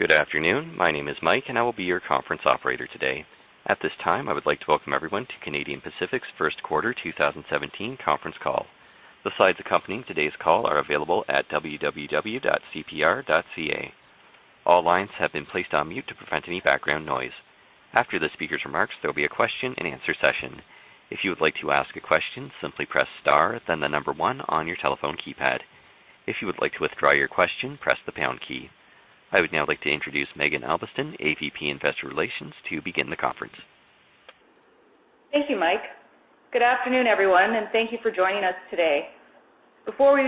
Good afternoon. My name is Mike, and I will be your conference operator today. At this time, I would like to welcome everyone to Canadian Pacific's First Quarter 2017 Conference Call. The slides accompanying today's call are available at www.cpr.ca. All lines have been placed on mute to prevent any background noise. After the speaker's remarks, there will be a question-and-answer session. If you would like to ask a question, simply press star, then the number one on your telephone keypad. If you would like to withdraw your question, press the pound key. I would now like to introduce Maeghan Albiston, AVP Investor Relations, to begin the conference. Thank you, Mike. Good afternoon, everyone, and thank you for joining us today. Before we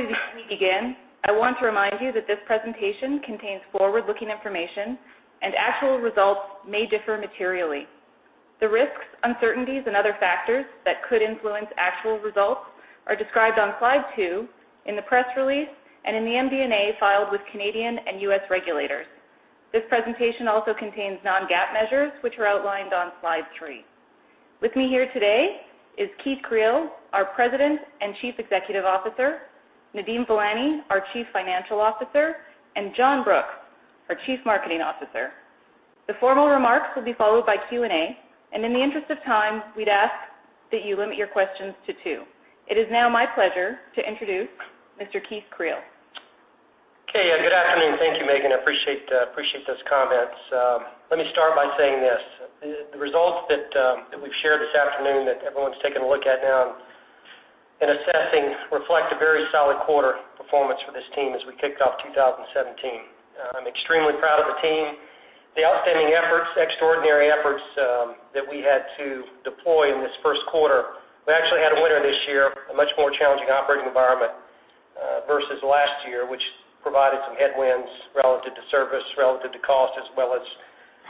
begin, I want to remind you that this presentation contains forward-looking information, and actual results may differ materially. The risks, uncertainties, and other factors that could influence actual results are described on slide two in the press release and in the MD&A filed with Canadian and U.S. regulators. This presentation also contains non-GAAP measures, which are outlined on slide three. With me here today is Keith Creel, our President and Chief Executive Officer, Nadeem Velani, our Chief Financial Officer, and John Brooks, our Chief Marketing Officer. The formal remarks will be followed by Q&A, and in the interest of time, we'd ask that you limit your questions to two. It is now my pleasure to introduce Mr. Keith Creel. Okay, good afternoon. Thank you, Maeghan. I appreciate those comments. Let me start by saying this: the results that we've shared this afternoon, that everyone's taken a look at now in assessing, reflect a very solid quarter performance for this team as we kicked off 2017. I'm extremely proud of the team, the outstanding efforts, extraordinary efforts that we had to deploy in this first quarter. We actually had a winter this year, a much more challenging operating environment versus last year, which provided some headwinds relative to service, relative to cost, as well as,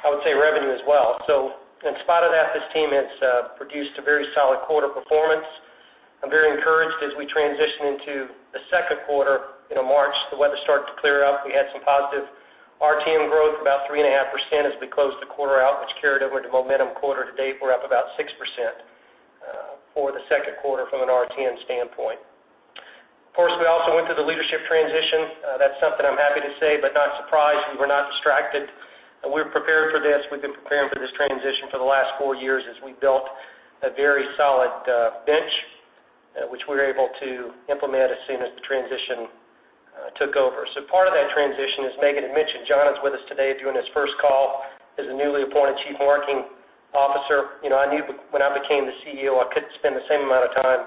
I would say, revenue as well. So in spite of that, this team has produced a very solid quarter performance. I'm very encouraged as we transition into the second quarter. In March, the weather started to clear up. We had some positive RTM growth, about 3.5%, as we closed the quarter out, which carried over to momentum quarter to date. We're up about 6% for the second quarter from an RTM standpoint. Of course, we also went through the leadership transition. That's something I'm happy to say, but not surprised. We were not distracted. We were prepared for this. We've been preparing for this transition for the last four years as we built a very solid bench, which we were able to implement as soon as the transition took over. So part of that transition is, Maeghan had mentioned, John is with us today doing his first call as a newly appointed Chief Marketing Officer. I knew when I became the CEO I couldn't spend the same amount of time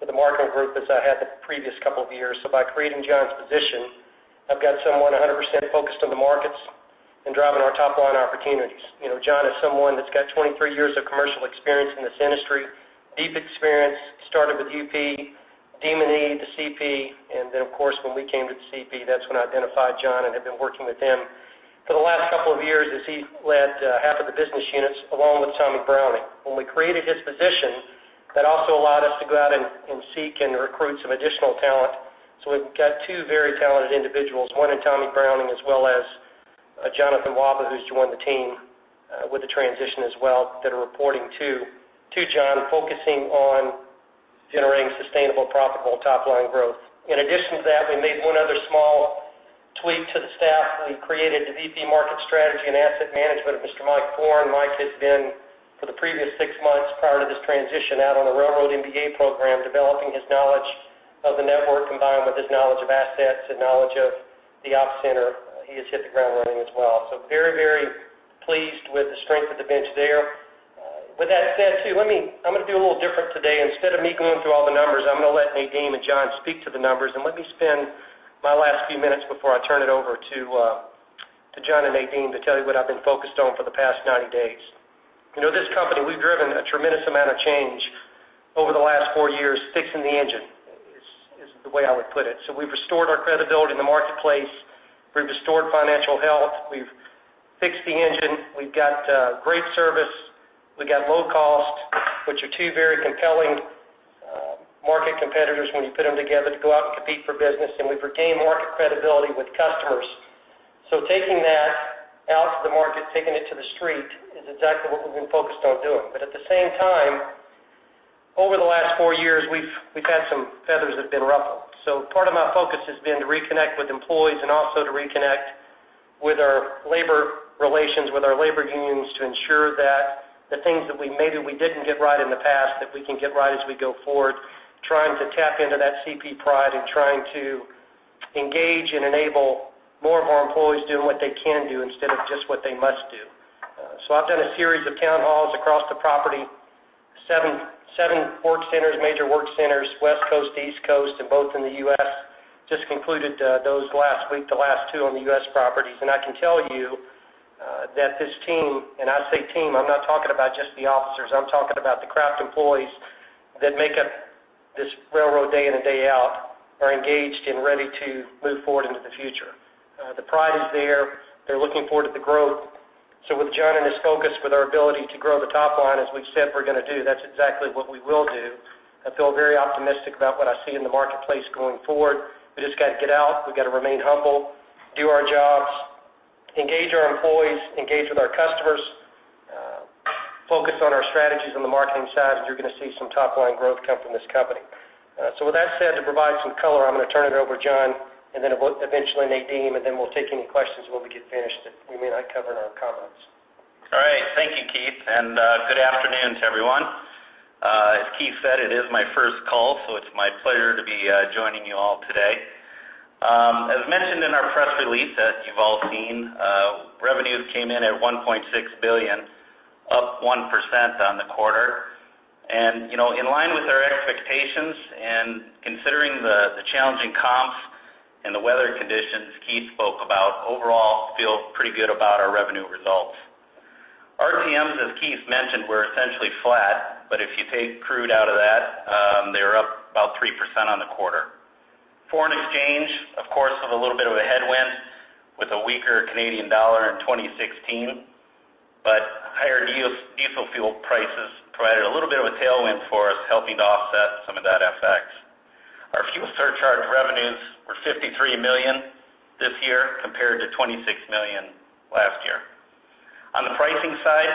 with the marketing group as I had the previous couple of years. So by creating John's position, I've got someone 100% focused on the markets and driving our top-line opportunities. John is someone that's got 23 years of commercial experience in this industry, deep experience, started with UP, DM&E, the CP, and then, of course, when we came to the CP, that's when I identified John and have been working with him for the last couple of years as he led half of the business units along with Tommy Browning. When we created his position, that also allowed us to go out and seek and recruit some additional talent. So we've got two very talented individuals, one in Tommy Browning as well as Jonathan Wahba, who's joined the team with the transition as well, that are reporting to John focusing on generating sustainable, profitable, top-line growth. In addition to that, we made one other small tweak to the staff. We created the VP Market Strategy and Asset Management of Mr. Mike Foran. Mike has been, for the previous six months prior to this transition, out on the railroad MBA program, developing his knowledge of the network combined with his knowledge of assets and knowledge of the Ops Center. He has hit the ground running as well. So very, very pleased with the strength of the bench there. With that said, too, I'm going to do a little different today. Instead of me going through all the numbers, I'm going to let Nadeem and John speak to the numbers, and let me spend my last few minutes before I turn it over to John and Nadeem to tell you what I've been focused on for the past 90 days. This company, we've driven a tremendous amount of change over the last four years, fixing the engine is the way I would put it. So we've restored our credibility in the marketplace. We've restored financial health. We've fixed the engine. We've got great service. We've got low cost, which are two very compelling market competitors when you put them together to go out and compete for business, and we've regained market credibility with customers. So taking that out to the market, taking it to the street, is exactly what we've been focused on doing. But at the same time, over the last four years, we've had some feathers that have been ruffled. So part of my focus has been to reconnect with employees and also to reconnect with our labor relations, with our labor unions, to ensure that the things that maybe we didn't get right in the past, that we can get right as we go forward, trying to tap into that CP pride and trying to engage and enable more of our employees doing what they can do instead of just what they must do. So I've done a series of town halls across the property, seven work centers, major work centers, West Coast, East Coast, and both in the U.S. Just concluded those last week, the last two on the U.S. properties. And I can tell you that this team and I say team, I'm not talking about just the officers. I'm talking about the craft employees that make up this railroad day in and day out, are engaged and ready to move forward into the future. The pride is there. They're looking forward to the growth. So with John and his focus, with our ability to grow the top line, as we've said we're going to do, that's exactly what we will do. I feel very optimistic about what I see in the marketplace going forward. We just got to get out. We got to remain humble, do our jobs, engage our employees, engage with our customers, focus on our strategies on the marketing side, and you're going to see some top-line growth come from this company. With that said, to provide some color, I'm going to turn it over to John and then eventually Nadeem, and then we'll take any questions when we get finished that we may not cover in our comments. All right. Thank you, Keith, and good afternoon, everyone. As Keith said, it is my first call, so it's my pleasure to be joining you all today. As mentioned in our press release that you've all seen, revenues came in at 1.6 billion, up 1% on the quarter. In line with our expectations and considering the challenging comps and the weather conditions Keith spoke about, overall, feel pretty good about our revenue results. RTMs, as Keith mentioned, were essentially flat, but if you take crude out of that, they were up about 3% on the quarter. Foreign exchange, of course, with a little bit of a headwind, with a weaker Canadian dollar in 2016, but higher diesel fuel prices provided a little bit of a tailwind for us, helping to offset some of that effect. Our fuel surcharge revenues were 53 million this year compared to 26 million last year. On the pricing side,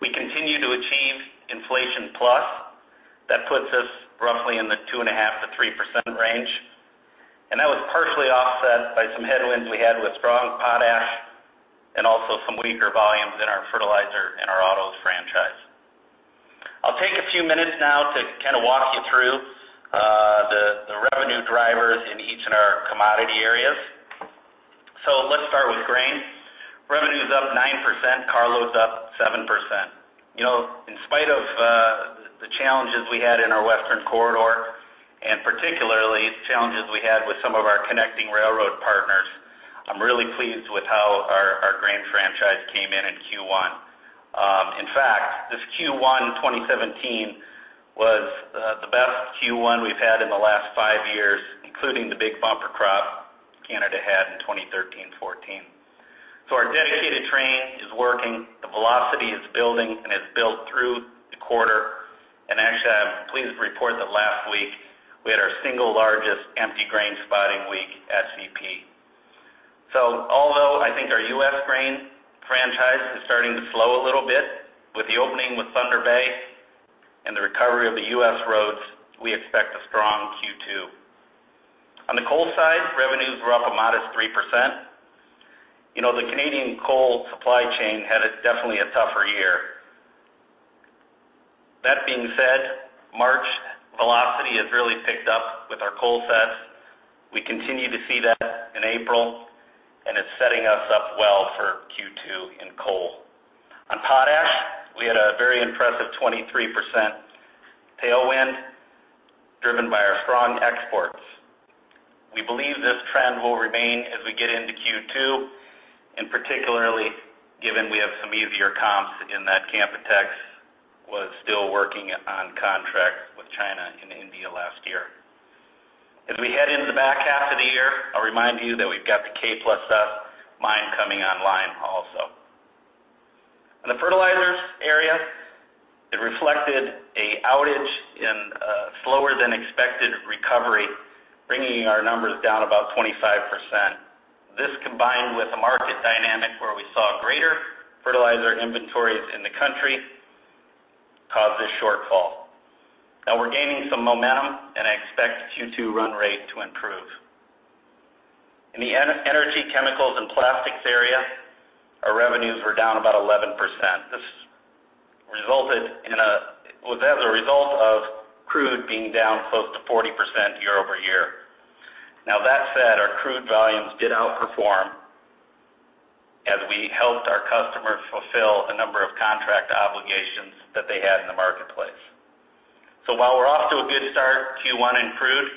we continue to achieve inflation-plus. That puts us roughly in the 2.5%-3% range, and that was partially offset by some headwinds we had with strong potash and also some weaker volumes in our fertilizer and our autos franchise. I'll take a few minutes now to kind of walk you through the revenue drivers in each of our commodity areas. So let's start with grain. Revenue's up 9%. Carloads up 7%. In spite of the challenges we had in our Western Corridor and particularly challenges we had with some of our connecting railroad partners, I'm really pleased with how our grain franchise came in in Q1. In fact, this Q1 2017 was the best Q1 we've had in the last five years, including the big bumper crop Canada had in 2013-2014. So our dedicated train is working. The velocity is building and has built through the quarter. And actually, I'm pleased to report that last week, we had our single largest empty grain spotting week at CP. So although I think our U.S. grain franchise is starting to slow a little bit with the opening with Thunder Bay and the recovery of the U.S. roads, we expect a strong Q2. On the coal side, revenues were up a modest 3%. The Canadian coal supply chain had definitely a tougher year. That being said, March, velocity has really picked up with our coal sets. We continue to see that in April, and it's setting us up well for Q2 in coal. On potash, we had a very impressive 23% tailwind driven by our strong exports. We believe this trend will remain as we get into Q2, and particularly given we have some easier comps in that Canpotex was still working on contracts with China and India last year. As we head into the back half of the year, I'll remind you that we've got the K+S mine coming online also. On the fertilizers area, it reflected an outage and slower-than-expected recovery, bringing our numbers down about 25%. This, combined with a market dynamic where we saw greater fertilizer inventories in the country, caused this shortfall. Now, we're gaining some momentum, and I expect Q2 run rate to improve. In the energy, chemicals, and plastics area, our revenues were down about 11%. This was as a result of crude being down close to 40% year-over-year. Now, that said, our crude volumes did outperform as we helped our customers fulfill a number of contract obligations that they had in the marketplace. So while we're off to a good start Q1 in crude,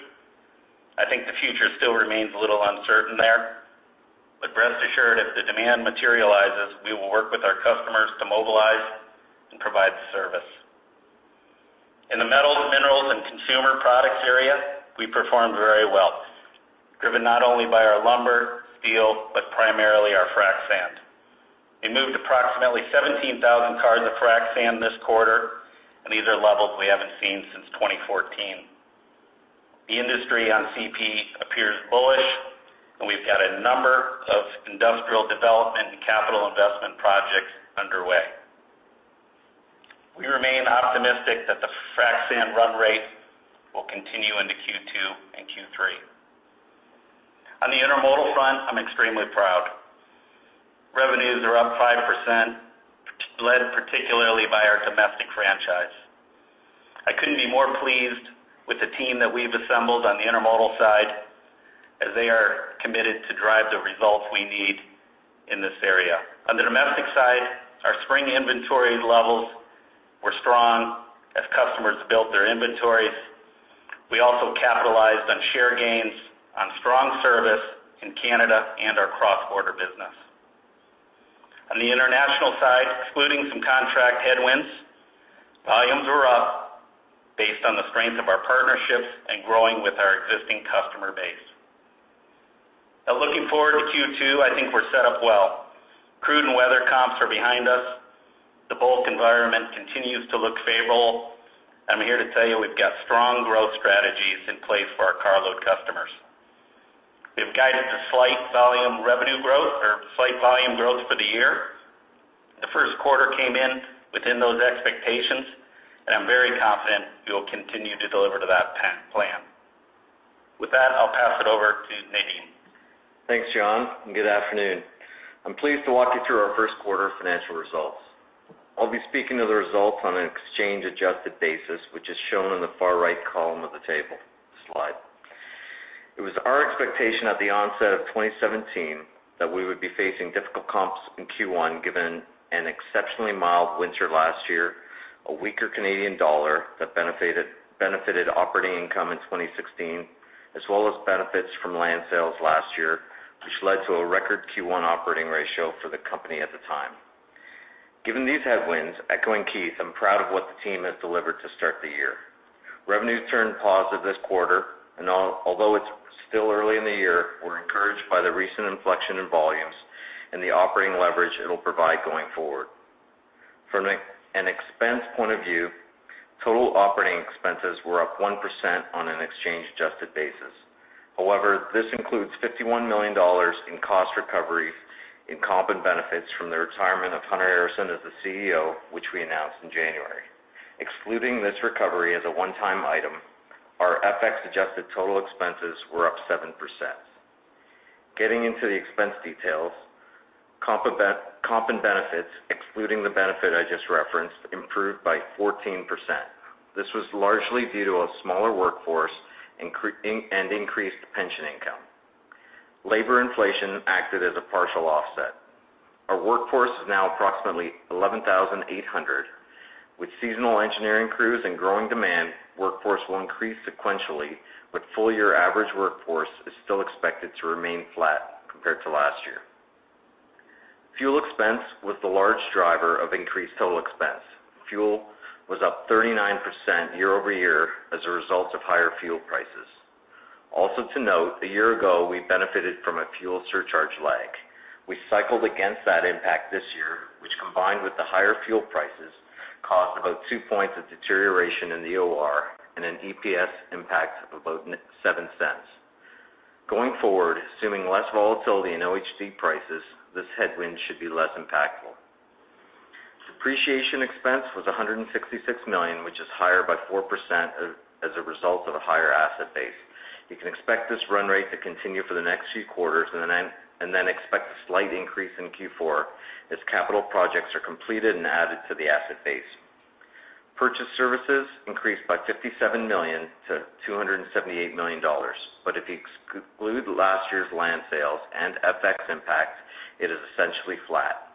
I think the future still remains a little uncertain there. But rest assured, if the demand materializes, we will work with our customers to mobilize and provide service. In the metals, minerals, and consumer products area, we performed very well, driven not only by our lumber, steel, but primarily our frac sand. We moved approximately 17,000 cars of frac sand this quarter, and these are levels we haven't seen since 2014. The industry on CP appears bullish, and we've got a number of industrial development and capital investment projects underway. We remain optimistic that the frac sand run rate will continue into Q2 and Q3. On the intermodal front, I'm extremely proud. Revenues are up 5%, led particularly by our domestic franchise. I couldn't be more pleased with the team that we've assembled on the intermodal side as they are committed to drive the results we need in this area. On the domestic side, our spring inventory levels were strong as customers built their inventories. We also capitalized on share gains, on strong service in Canada and our cross-border business. On the international side, excluding some contract headwinds, volumes were up based on the strength of our partnerships and growing with our existing customer base. Now, looking forward to Q2, I think we're set up well. Crude and weather comps are behind us. The bulk environment continues to look favorable, and I'm here to tell you we've got strong growth strategies in place for our carload customers. We have guided to slight volume revenue growth or slight volume growth for the year. The first quarter came in within those expectations, and I'm very confident we will continue to deliver to that plan. With that, I'll pass it over to Nadeem. Thanks, John, and good afternoon. I'm pleased to walk you through our first quarter financial results. I'll be speaking of the results on an exchange-adjusted basis, which is shown in the far right column of the table slide. It was our expectation at the onset of 2017 that we would be facing difficult comps in Q1 given an exceptionally mild winter last year, a weaker Canadian dollar that benefited operating income in 2016, as well as benefits from land sales last year, which led to a record Q1 operating ratio for the company at the time. Given these headwinds, echoing Keith, I'm proud of what the team has delivered to start the year. Revenues turned positive this quarter, and although it's still early in the year, we're encouraged by the recent inflection in volumes and the operating leverage it'll provide going forward. From an expense point of view, total operating expenses were up 1% on an exchange-adjusted basis. However, this includes 51 million dollars in cost recovery in comp and benefits from the retirement of Hunter Harrison as the CEO, which we announced in January. Excluding this recovery as a one-time item, our FX-adjusted total expenses were up 7%. Getting into the expense details, comp and benefits, excluding the benefit I just referenced, improved by 14%. This was largely due to a smaller workforce and increased pension income. Labor inflation acted as a partial offset. Our workforce is now approximately 11,800. With seasonal engineering crews and growing demand, workforce will increase sequentially, but full-year average workforce is still expected to remain flat compared to last year. Fuel expense was the large driver of increased total expense. Fuel was up 39% year-over-year as a result of higher fuel prices. Also to note, a year ago, we benefited from a fuel surcharge lag. We cycled against that impact this year, which combined with the higher fuel prices caused about 2 points of deterioration in the OR and an EPS impact of about $0.07. Going forward, assuming less volatility in OHD prices, this headwind should be less impactful. Depreciation expense was 166 million, which is higher by 4% as a result of a higher asset base. You can expect this run rate to continue for the next few quarters and then expect a slight increase in Q4 as capital projects are completed and added to the asset base. Purchased services increased by 57 million to 278 million dollars, but if you exclude last year's land sales and FX impact, it is essentially flat.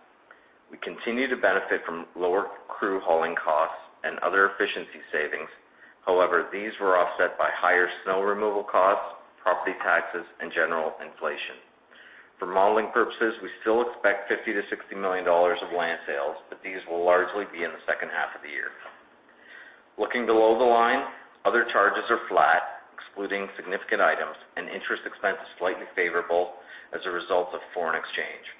We continue to benefit from lower crew hauling costs and other efficiency savings. However, these were offset by higher snow removal costs, property taxes, and general inflation. For modeling purposes, we still expect 50 million- 60 million dollars of land sales, but these will largely be in the second half of the year. Looking below the line, other charges are flat, excluding significant items, and interest expenses slightly favorable as a result of foreign exchange.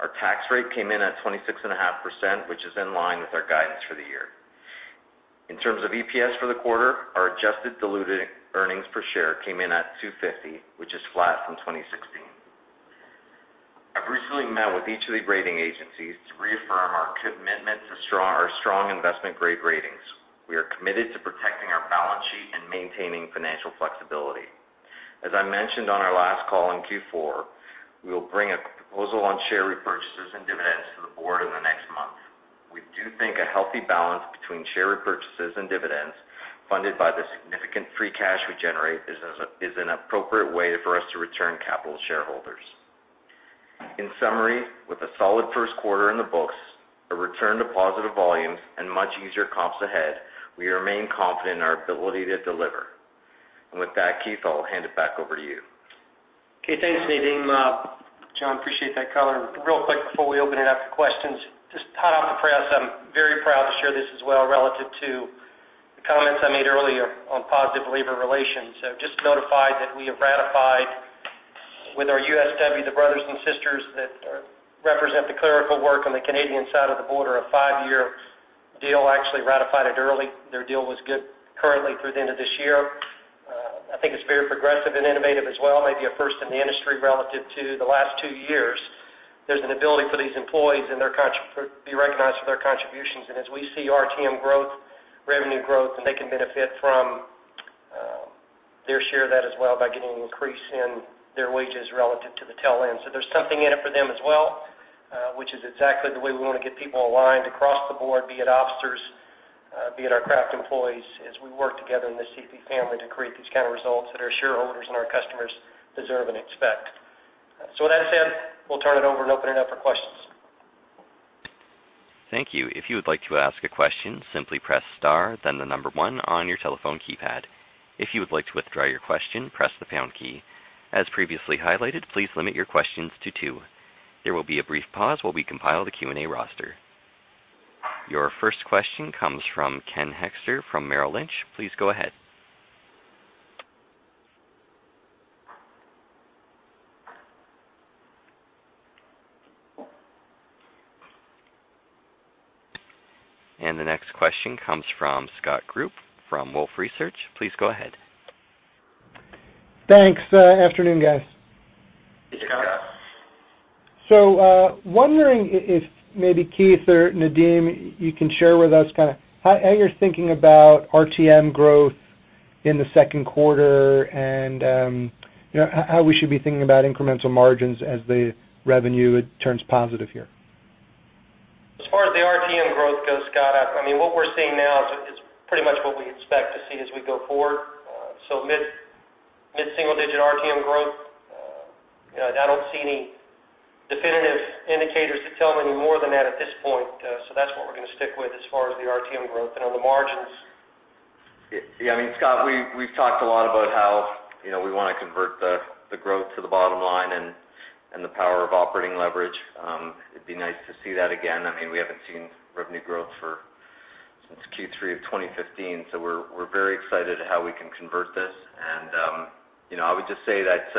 Our tax rate came in at 26.5%, which is in line with our guidance for the year. In terms of EPS for the quarter, our adjusted diluted earnings per share came in at 2.50, which is flat from 2016. I've recently met with each of the rating agencies to reaffirm our commitment to our strong investment-grade ratings. We are committed to protecting our balance sheet and maintaining financial flexibility. As I mentioned on our last call in Q4, we will bring a proposal on share repurchases and dividends to the board in the next month. We do think a healthy balance between share repurchases and dividends funded by the significant free cash we generate is an appropriate way for us to return capital to shareholders. In summary, with a solid first quarter in the books, a return to positive volumes, and much easier comps ahead, we remain confident in our ability to deliver. With that, Keith, I'll hand it back over to you. Okay. Thanks, Nadeem. John, appreciate that color. Real quick, before we open it up to questions, just hot off the press, I'm very proud to share this as well relative to the comments I made earlier on positive labor relations. So just notified that we have ratified with our USW, the brothers and sisters that represent the clerical work on the Canadian side of the border, a five-year deal. Actually, ratified it early. Their deal was good currently through the end of this year. I think it's very progressive and innovative as well, maybe a first in the industry relative to the last two years. There's an ability for these employees and to be recognized for their contributions. And as we see RTM growth, revenue growth, and they can benefit from their share of that as well by getting an increase in their wages relative to the tail end. So there's something in it for them as well, which is exactly the way we want to get people aligned across the board, be it officers, be it our craft employees, as we work together in the CP family to create these kind of results that our shareholders and our customers deserve and expect. So with that said, we'll turn it over and open it up for questions. Thank you. If you would like to ask a question, simply press star, then the number one on your telephone keypad. If you would like to withdraw your question, press the pound key. As previously highlighted, please limit your questions to two. There will be a brief pause while we compile the Q&A roster. Your first question comes from Ken Hoexter from Merrill Lynch. Please go ahead. The next question comes from Scott Group from Wolfe Research. Please go ahead. Thanks. Afternoon, guys. Hey, Scott. So wondering if maybe Keith or Nadeem, you can share with us kind of how you're thinking about RTM growth in the second quarter and how we should be thinking about incremental margins as the revenue turns positive here? As far as the RTM growth goes, Scott, I mean, what we're seeing now is pretty much what we expect to see as we go forward. So mid-single-digit RTM growth, I don't see any definitive indicators that tell me any more than that at this point. So that's what we're going to stick with as far as the RTM growth. And on the margins. Yeah. I mean, Scott, we've talked a lot about how we want to convert the growth to the bottom line and the power of operating leverage. It'd be nice to see that again. I mean, we haven't seen revenue growth since Q3 of 2015, so we're very excited at how we can convert this. And I would just say that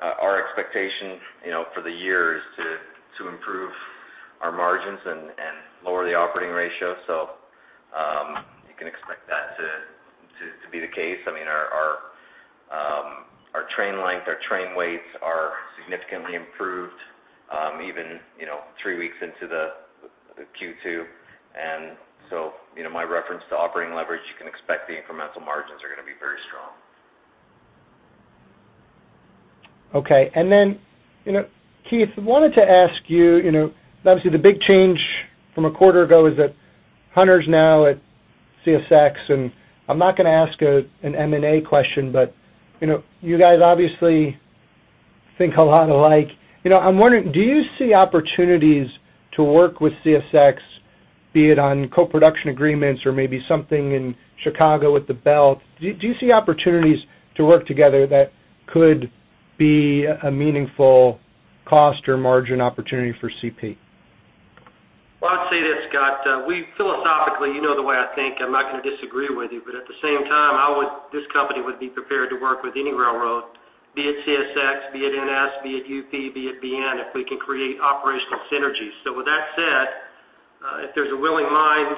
our expectation for the year is to improve our margins and lower the operating ratio. So you can expect that to be the case. I mean, our train length, our train weights are significantly improved even three weeks into the Q2. And so my reference to operating leverage, you can expect the incremental margins are going to be very strong. Okay. And then, Keith, wanted to ask you obviously, the big change from a quarter ago is that Hunter's now at CSX. And I'm not going to ask an M&A question, but you guys obviously think a lot alike. I'm wondering, do you see opportunities to work with CSX, be it on co-production agreements or maybe something in Chicago with the Belt? Do you see opportunities to work together that could be a meaningful cost or margin opportunity for CP? Well, I'd say this, Scott. Philosophically, you know the way I think. I'm not going to disagree with you. But at the same time, this company would be prepared to work with any railroad, be it CSX, be it NS, be it UP, be it BN, if we can create operational synergies. So with that said, if there's a willing mind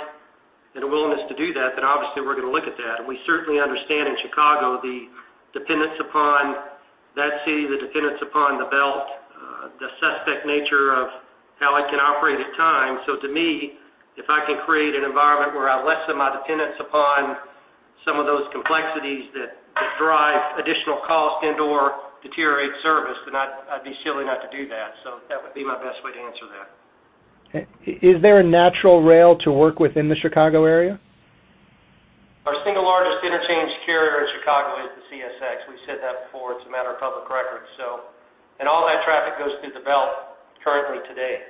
and a willingness to do that, then obviously, we're going to look at that. And we certainly understand in Chicago the dependence upon that city, the dependence upon the Belt, the suspect nature of how it can operate at times. So to me, if I can create an environment where I lessen my dependence upon some of those complexities that drive additional cost and/or deteriorate service, then I'd be silly not to do that. So that would be my best way to answer that. Is there a natural rail to work within the Chicago area? Our single largest interchange carrier in Chicago is the CSX. We said that before. It's a matter of public records, so. And all that traffic goes through the Belt currently today.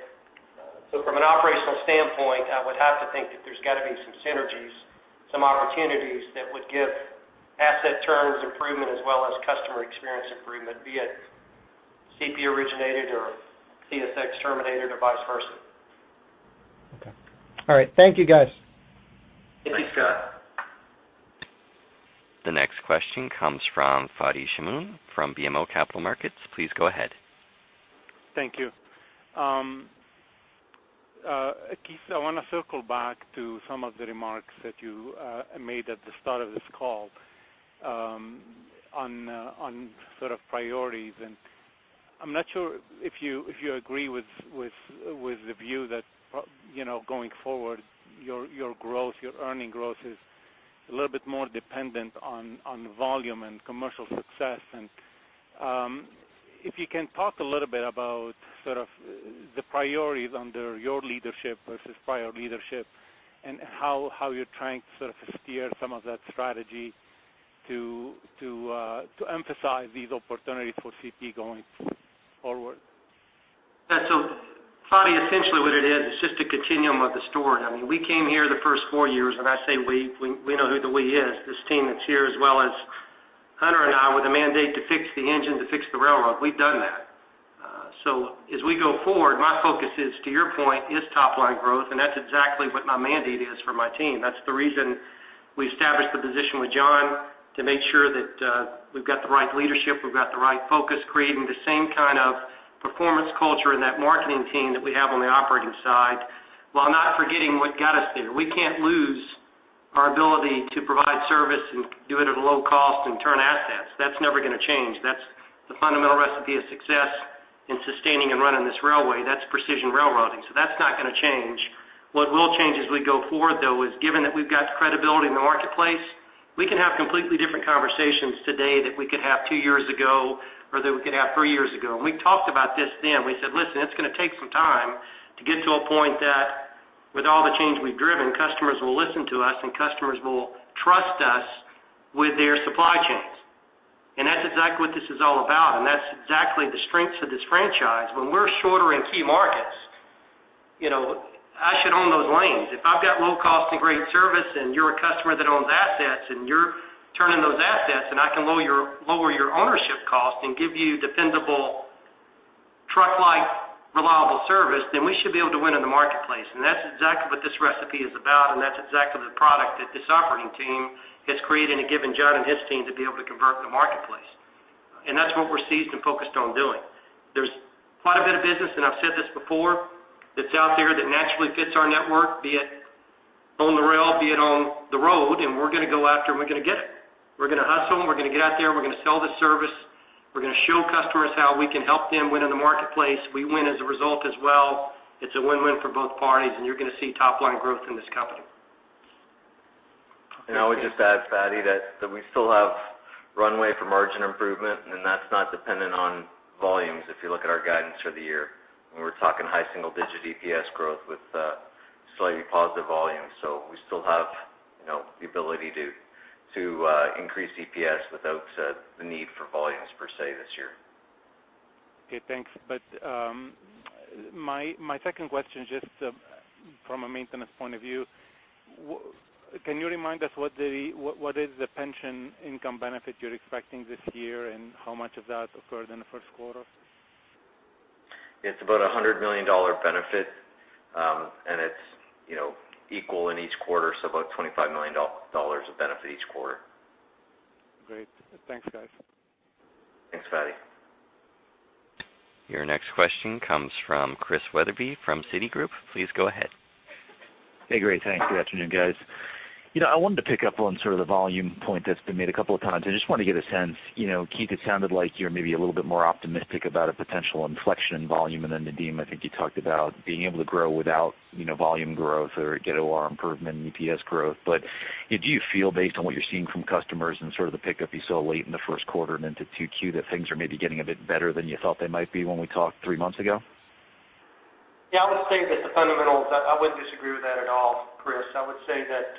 So from an operational standpoint, I would have to think that there's got to be some synergies, some opportunities that would give asset turns improvement as well as customer experience improvement, be it CP originated or CSX terminated or vice versa. Okay. All right. Thank you, guys. Thank you, Scott. The next question comes from Fadi Chamoun from BMO Capital Markets. Please go ahead. Thank you. Keith, I want to circle back to some of the remarks that you made at the start of this call on sort of priorities. I'm not sure if you agree with the view that going forward, your growth, your earnings growth is a little bit more dependent on volume and commercial success. If you can talk a little bit about sort of the priorities under your leadership versus prior leadership and how you're trying to sort of steer some of that strategy to emphasize these opportunities for CP going forward? Yeah. So Fadi, essentially, what it is, it's just a continuum of the story. I mean, we came here the first four years, and I say we. We know who the we is. This team that's here as well as Hunter and I with a mandate to fix the engine, to fix the railroad. We've done that. So as we go forward, my focus is, to your point, is top-line growth, and that's exactly what my mandate is for my team. That's the reason we established the position with John to make sure that we've got the right leadership, we've got the right focus, creating the same kind of performance culture in that marketing team that we have on the operating side while not forgetting what got us there. We can't lose our ability to provide service and do it at a low cost and turn assets. That's never going to change. That's the fundamental recipe of success in sustaining and running this railway. That's Precision Railroading. So that's not going to change. What will change as we go forward, though, is given that we've got credibility in the marketplace, we can have completely different conversations today that we could have two years ago or that we could have three years ago. And we talked about this then. We said, "Listen, it's going to take some time to get to a point that with all the change we've driven, customers will listen to us, and customers will trust us with their supply chains." And that's exactly what this is all about. And that's exactly the strengths of this franchise. When we're shorter in key markets, I should own those lanes. If I've got low cost and great service, and you're a customer that owns assets, and you're turning those assets, and I can lower your ownership cost and give you dependable, truck-like, reliable service, then we should be able to win in the marketplace. And that's exactly what this recipe is about, and that's exactly the product that this operating team has created and given John and his team to be able to convert in the marketplace. And that's what we're seized and focused on doing. There's quite a bit of business, and I've said this before, that's out there that naturally fits our network, be it on the rail, be it on the road, and we're going to go after it, and we're going to get it. We're going to hustle, and we're going to get out there. We're going to sell this service. We're going to show customers how we can help them win in the marketplace. We win as a result as well. It's a win-win for both parties, and you're going to see top-line growth in this company. I would just add, Fadi, that we still have runway for margin improvement, and that's not dependent on volumes if you look at our guidance for the year. We're talking high single-digit EPS growth with slightly positive volumes. We still have the ability to increase EPS without the need for volumes per se this year. Okay. Thanks. My second question is just from a maintenance point of view. Can you remind us what is the pension income benefit you're expecting this year and how much of that occurred in the first quarter? It's about a 100 million dollar benefit, and it's equal in each quarter. So about 25 million dollars of benefit each quarter. Great. Thanks, guys. Thanks, Fadi. Your next question comes from Chris Wetherbee from Citigroup. Please go ahead. Hey, great. Thanks. Good afternoon, guys. I wanted to pick up on sort of the volume point that's been made a couple of times. I just wanted to get a sense. Keith, it sounded like you're maybe a little bit more optimistic about a potential inflection in volume. And then, Nadeem, I think you talked about being able to grow without volume growth or get OR improvement and EPS growth. But do you feel, based on what you're seeing from customers and sort of the pickup you saw late in the first quarter and into Q2, that things are maybe getting a bit better than you thought they might be when we talked three months ago? Yeah. I would say that the fundamentals, I wouldn't disagree with that at all, Chris. I would say that,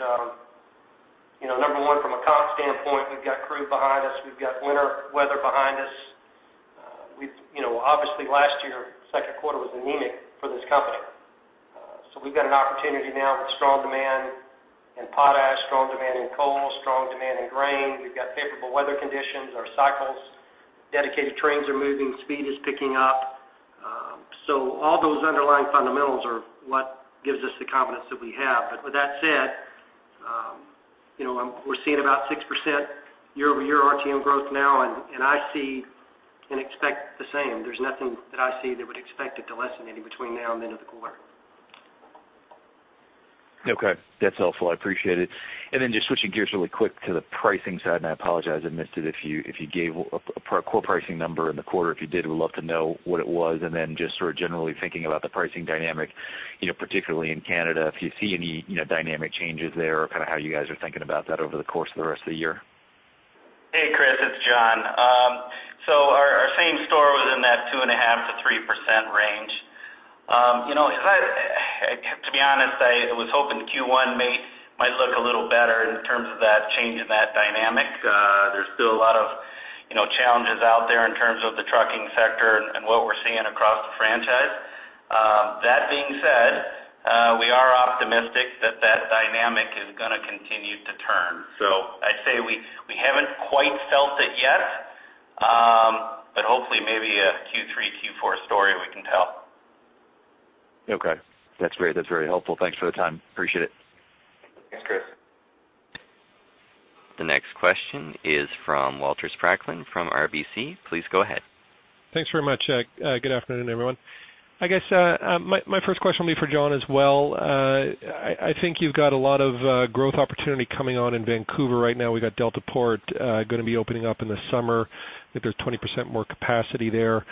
number one, from a cost standpoint, we've got crew behind us. We've got winter weather behind us. Obviously, last year, second quarter was anemic for this company. So we've got an opportunity now with strong demand in potash, strong demand in coal, strong demand in grain. We've got favorable weather conditions. Our cycles, dedicated trains are moving. Speed is picking up. So all those underlying fundamentals are what gives us the confidence that we have. But with that said, we're seeing about 6% year-over-year RTM growth now, and I see and expect the same. There's nothing that I see that would expect it to lessen any between now and the end of the quarter. Okay. That's helpful. I appreciate it. And then just switching gears really quick to the pricing side, and I apologize. I missed it if you gave a core pricing number in the quarter. If you did, we'd love to know what it was. And then just sort of generally thinking about the pricing dynamic, particularly in Canada, if you see any dynamic changes there or kind of how you guys are thinking about that over the course of the rest of the year. Hey, Chris. It's John. So our same store was in that 2.5%-3% range. To be honest, I was hoping Q1 might look a little better in terms of that change in that dynamic. There's still a lot of challenges out there in terms of the trucking sector and what we're seeing across the franchise. That being said, we are optimistic that that dynamic is going to continue to turn. So I'd say we haven't quite felt it yet, but hopefully, maybe a Q3, Q4 story, we can tell. Okay. That's great. That's very helpful. Thanks for the time. Appreciate it. Thanks, Chris. The next question is from Walter Spracklin from RBC. Please go ahead. Thanks very much. Good afternoon, everyone. I guess my first question will be for John as well. I think you've got a lot of growth opportunity coming on in Vancouver right now. We've got Deltaport going to be opening up in the summer. I think there's 20% more capacity there.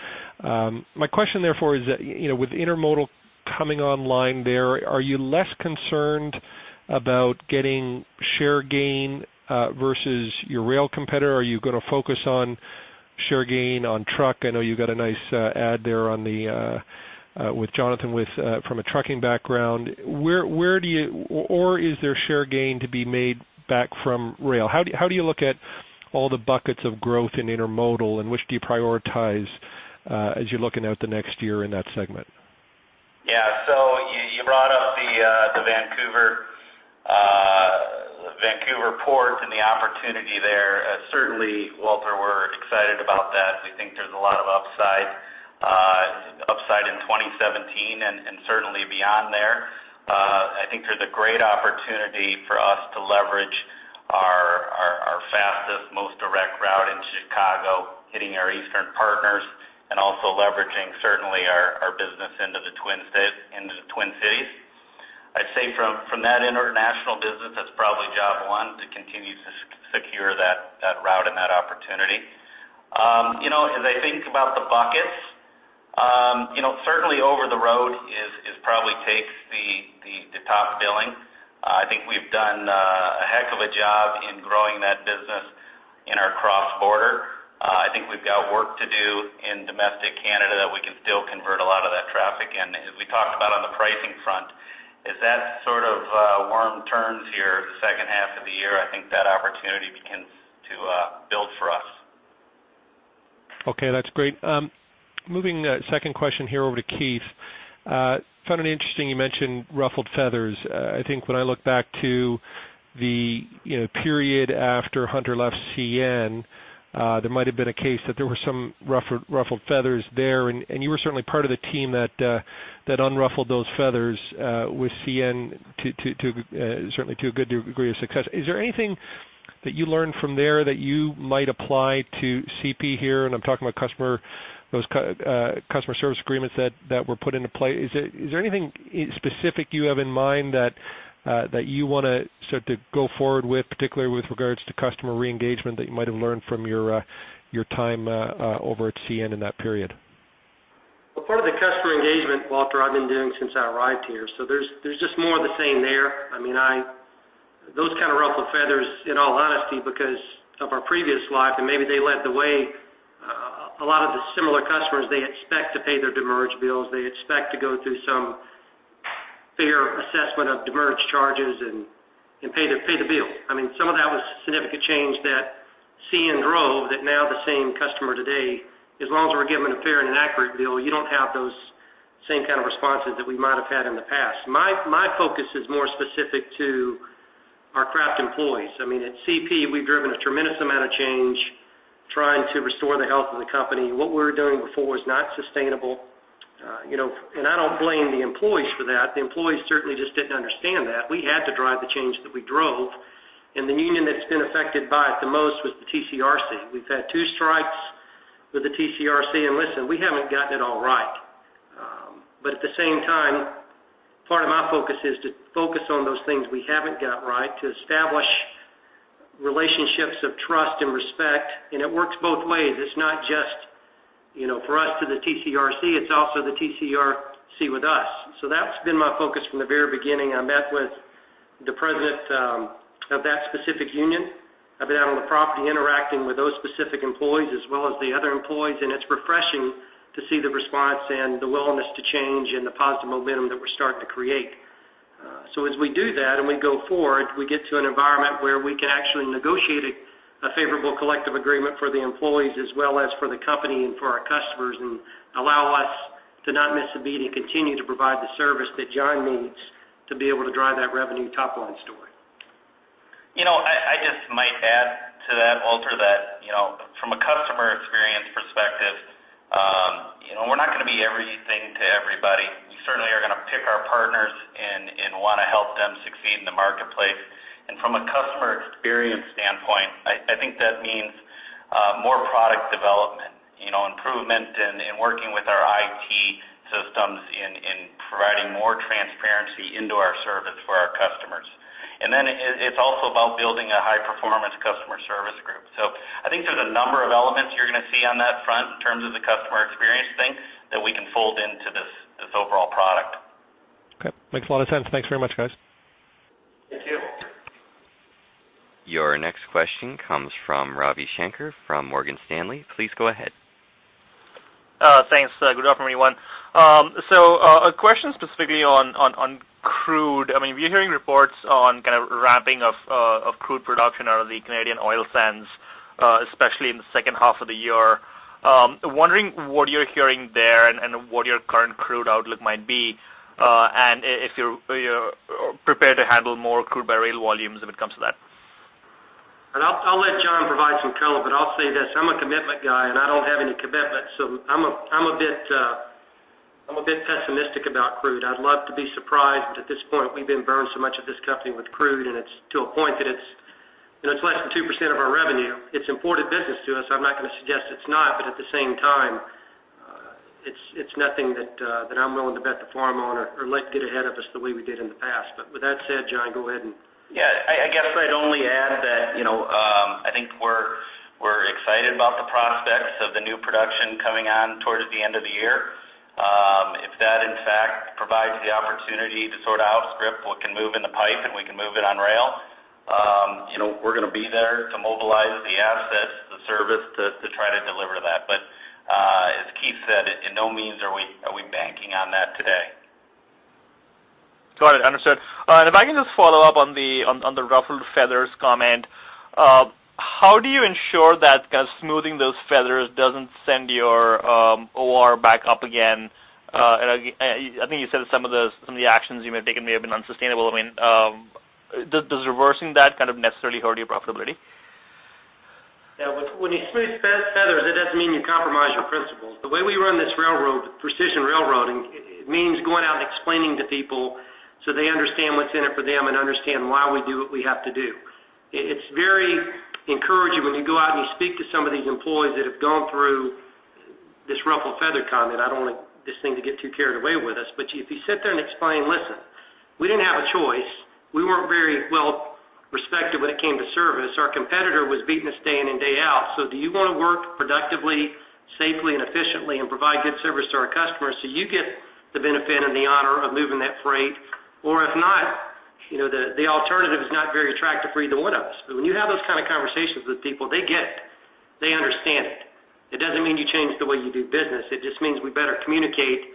My question, therefore, is that with intermodal coming online there, are you less concerned about getting share gain versus your rail competitor? Are you going to focus on share gain on truck? I know you got a nice ad there with Jonathan from a trucking background. Where do you or is there share gain to be made back from rail? How do you look at all the buckets of growth in intermodal, and which do you prioritize as you're looking out the next year in that segment? Yeah. So you brought up the Vancouver Port and the opportunity there. Certainly, Walter, we're excited about that. We think there's a lot of upside in 2017 and certainly beyond there. I think there's a great opportunity for us to leverage our fastest, most direct route into Chicago, hitting our eastern partners, and also leveraging, certainly, our business into the Twin Cities. I'd say from that international business, that's probably job one to continue to secure that route and that opportunity. As I think about the buckets, certainly, over-the-road probably takes the top billing. I think we've done a heck of a job in growing that business in our cross-border. I think we've got work to do in domestic Canada that we can still convert a lot of that traffic in. As we talked about on the pricing front, as that sort of worm turns here the second half of the year, I think that opportunity begins to build for us. Okay. That's great. Moving second question here over to Keith. Found it interesting. You mentioned ruffled feathers. I think when I look back to the period after Hunter left CN, there might have been a case that there were some ruffled feathers there, and you were certainly part of the team that unruffled those feathers with CN, certainly to a good degree of success. Is there anything that you learned from there that you might apply to CP here? And I'm talking about those customer service agreements that were put into play. Is there anything specific you have in mind that you want to sort of go forward with, particularly with regards to customer reengagement, that you might have learned from your time over at CN in that period? Well, part of the customer engagement, Walter, I've been doing since I arrived here. So there's just more of the same there. I mean, those kind of ruffled feathers, in all honesty, because of our previous life, and maybe they led the way. A lot of the similar customers, they expect to pay their demurrage bills. They expect to go through some fair assessment of demurrage charges and pay the bill. I mean, some of that was significant change that CN drove, that now the same customer today, as long as we're given a fair and an accurate bill, you don't have those same kind of responses that we might have had in the past. My focus is more specific to our craft employees. I mean, at CP, we've driven a tremendous amount of change trying to restore the health of the company. What we were doing before was not sustainable. And I don't blame the employees for that. The employees certainly just didn't understand that. We had to drive the change that we drove. And the union that's been affected by it the most was the TCRC. We've had two strikes with the TCRC. And listen, we haven't gotten it all right. But at the same time, part of my focus is to focus on those things we haven't got right, to establish relationships of trust and respect. And it works both ways. It's not just for us to the TCRC. It's also the TCRC with us. So that's been my focus from the very beginning. I met with the president of that specific union. I've been out on the property interacting with those specific employees as well as the other employees. It's refreshing to see the response and the willingness to change and the positive momentum that we're starting to create. As we do that and we go forward, we get to an environment where we can actually negotiate a favorable collective agreement for the employees as well as for the company and for our customers and allow us to not miss a beat and continue to provide the service that John needs to be able to drive that revenue top-line story. I just might add to that, Walter, that from a customer experience perspective, we're not going to be everything to everybody. We certainly are going to pick our partners and want to help them succeed in the marketplace. From a customer experience standpoint, I think that means more product development, improvement in working with our IT systems, and providing more transparency into our service for our customers. Then it's also about building a high-performance customer service group. I think there's a number of elements you're going to see on that front in terms of the customer experience thing that we can fold into this overall product. Okay. Makes a lot of sense. Thanks very much, guys. Thank you. Your next question comes from Ravi Shanker from Morgan Stanley. Please go ahead. Thanks. Good afternoon, everyone. So a question specifically on crude. I mean, we're hearing reports on kind of ramping of crude production out of the Canadian oil sands, especially in the second half of the year. Wondering what you're hearing there and what your current crude outlook might be and if you're prepared to handle more crude by rail volumes if it comes to that. I'll let John provide some color, but I'll say this. I'm a commitment guy, and I don't have any commitment. So I'm a bit pessimistic about crude. I'd love to be surprised, but at this point, we've been burned so much of this company with crude, and it's to a point that it's less than 2% of our revenue. It's imported business to us. I'm not going to suggest it's not, but at the same time, it's nothing that I'm willing to bet the farm on or let get ahead of us the way we did in the past. But with that said, John, go ahead and. Yeah. I guess I'd only add that I think we're excited about the prospects of the new production coming on towards the end of the year. If that, in fact, provides the opportunity to sort of outstrip what can move in the pipe and we can move it on rail, we're going to be there to mobilize the assets, the service to try to deliver that. But as Keith said, by no means are we banking on that today. Got it. Understood. And if I can just follow up on the ruffled feathers comment, how do you ensure that kind of smoothing those feathers doesn't send your OR back up again? And I think you said some of the actions you may have taken may have been unsustainable. I mean, does reversing that kind of necessarily hurt your profitability? Yeah. When you smooth feathers, it doesn't mean you compromise your principles. The way we run this railroad, Precision Railroading, it means going out and explaining to people so they understand what's in it for them and understand why we do what we have to do. It's very encouraging when you go out and you speak to some of these employees that have gone through this ruffled feather comment. I don't want this thing to get too carried away with us. But if you sit there and explain, "Listen, we didn't have a choice. We weren't very well-respected when it came to service. Our competitor was beating us day in and day out. So do you want to work productively, safely, and efficiently and provide good service to our customers so you get the benefit and the honor of moving that freight? Or if not, the alternative is not very attractive for either one of us." But when you have those kind of conversations with people, they get it. They understand it. It doesn't mean you change the way you do business. It just means we better communicate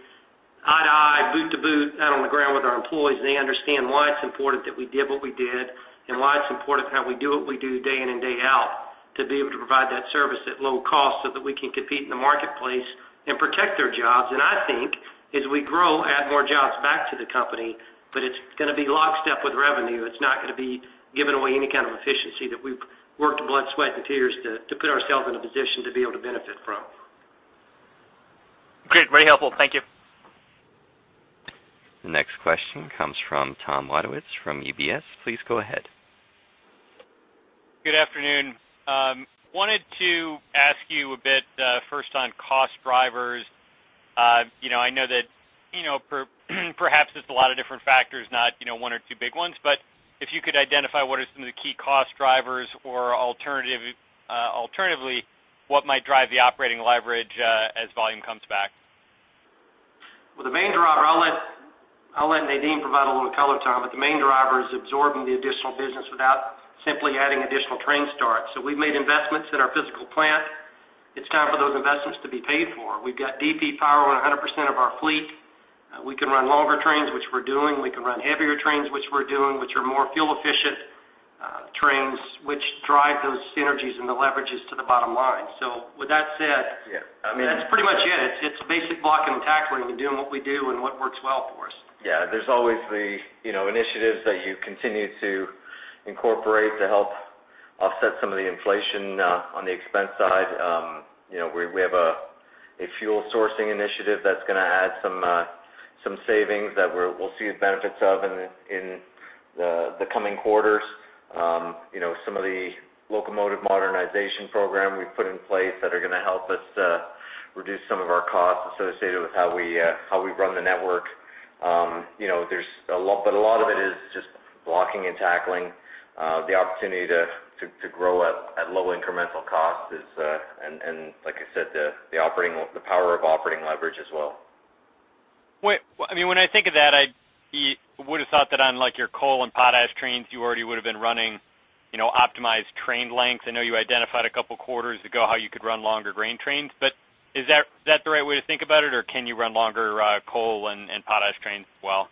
eye to eye, boot to boot out on the ground with our employees. They understand why it's important that we did what we did and why it's important how we do what we do day in and day out to be able to provide that service at low cost so that we can compete in the marketplace and protect their jobs. And I think as we grow, add more jobs back to the company, but it's going to be lockstep with revenue. It's not going to be giving away any kind of efficiency that we've worked blood, sweat, and tears to put ourselves in a position to be able to benefit from. Great. Very helpful. Thank you. The next question comes from Tom Wadewitz from UBS. Please go ahead. Good afternoon. Wanted to ask you a bit first on cost drivers. I know that perhaps it's a lot of different factors, not one or two big ones. But if you could identify what are some of the key cost drivers or alternatively, what might drive the operating leverage as volume comes back? Well, the main driver I'll let Nadeem provide a little color, Tom, but the main driver is absorbing the additional business without simply adding additional train starts. So we've made investments in our physical plant. It's time for those investments to be paid for. We've got DP power on 100% of our fleet. We can run longer trains, which we're doing. We can run heavier trains, which we're doing, which are more fuel-efficient trains, which drive those synergies and the leverages to the bottom line. So with that said, that's pretty much it. It's basic blocking and tackling and doing what we do and what works well for us. Yeah. There's always the initiatives that you continue to incorporate to help offset some of the inflation on the expense side. We have a fuel sourcing initiative that's going to add some savings that we'll see the benefits of in the coming quarters. Some of the locomotive modernization program we've put in place that are going to help us reduce some of our costs associated with how we run the network. But a lot of it is just blocking and tackling. The opportunity to grow at low incremental costs is, and like I said, the power of operating leverage as well. I mean, when I think of that, I would have thought that on your coal and potash trains, you already would have been running optimized train lengths. I know you identified a couple of quarters ago how you could run longer grain trains. But is that the right way to think about it, or can you run longer coal and potash trains as well?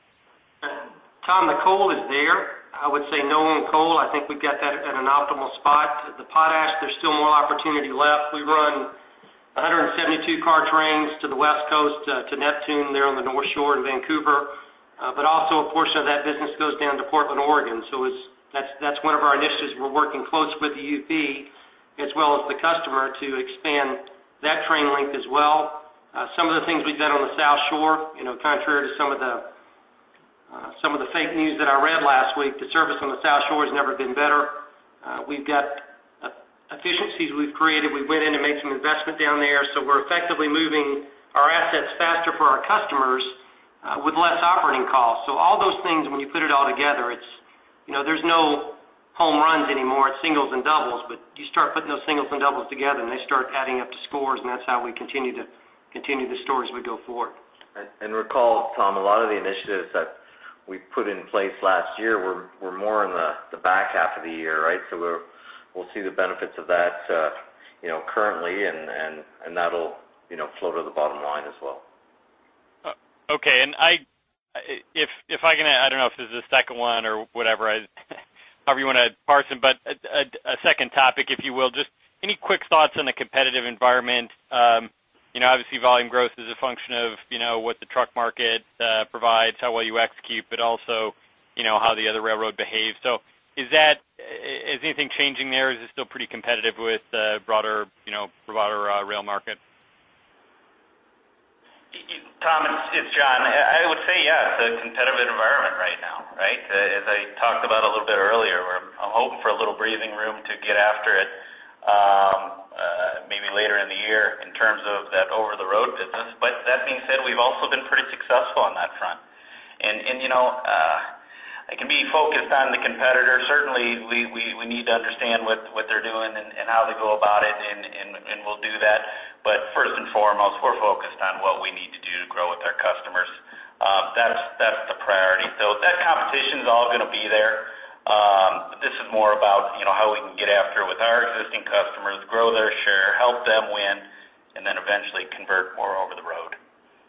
Tom, the coal is there. I would say no on coal. I think we've got that at an optimal spot. The potash, there's still more opportunity left. We run 172 car trains to the West Coast, to Neptune there on the North Shore in Vancouver. But also, a portion of that business goes down to Portland, Oregon. So that's one of our initiatives. We're working close with the UP as well as the customer to expand that train length as well. Some of the things we've done on the South Shore, contrary to some of the fake news that I read last week, the service on the South Shore has never been better. We've got efficiencies we've created. We went in and made some investment down there. So we're effectively moving our assets faster for our customers with less operating costs. So all those things, when you put it all together, there's no home runs anymore. It's singles and doubles. But you start putting those singles and doubles together, and they start adding up to scores. And that's how we continue the story as we go forward. Recall, Tom, a lot of the initiatives that we put in place last year were more in the back half of the year, right? We'll see the benefits of that currently, and that'll float to the bottom line as well. Okay. And if I can, I don't know if this is the second one or whatever, however you want to parse it, but a second topic, if you will, just any quick thoughts on the competitive environment. Obviously, volume growth is a function of what the truck market provides, how well you execute, but also how the other railroad behaves. So is anything changing there? Is it still pretty competitive with the broader rail market? Tom, it's John. I would say, yeah, it's a competitive environment right now, right, as I talked about a little bit earlier, where I'm hoping for a little breathing room to get after it maybe later in the year in terms of that over-the-road business. But that being said, we've also been pretty successful on that front. And I can be focused on the competitor. Certainly, we need to understand what they're doing and how they go about it, and we'll do that. But first and foremost, we're focused on what we need to do to grow with our customers. That's the priority. So that competition's all going to be there. This is more about how we can get after it with our existing customers, grow their share, help them win, and then eventually convert more over the road.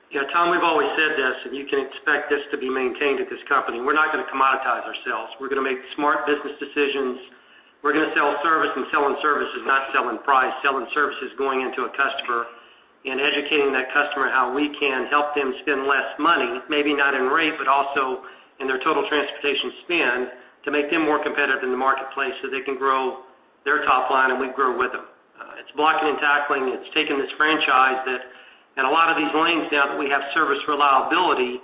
Yeah. Tom, we've always said this, and you can expect this to be maintained at this company. We're not going to commoditize ourselves. We're going to make smart business decisions. We're going to sell service and selling services, not selling price. Selling services going into a customer and educating that customer how we can help them spend less money, maybe not in rate, but also in their total transportation spend to make them more competitive in the marketplace so they can grow their top line, and we grow with them. It's blocking and tackling. It's taking this franchise that in a lot of these lanes now that we have service reliability,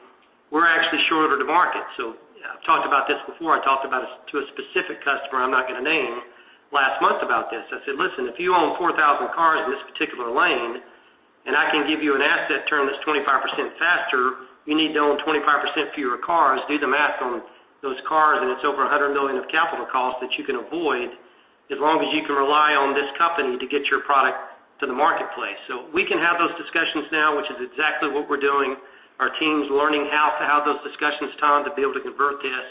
we're actually shorter to market. So I've talked about this before. I talked about it to a specific customer I'm not going to name last month about this. I said, "Listen, if you own 4,000 cars in this particular lane, and I can give you an asset turn that's 25% faster, you need to own 25% fewer cars. Do the math on those cars, and it's over 100 million of capital costs that you can avoid as long as you can rely on this company to get your product to the marketplace." So we can have those discussions now, which is exactly what we're doing. Our team's learning how to have those discussions, Tom, to be able to convert this.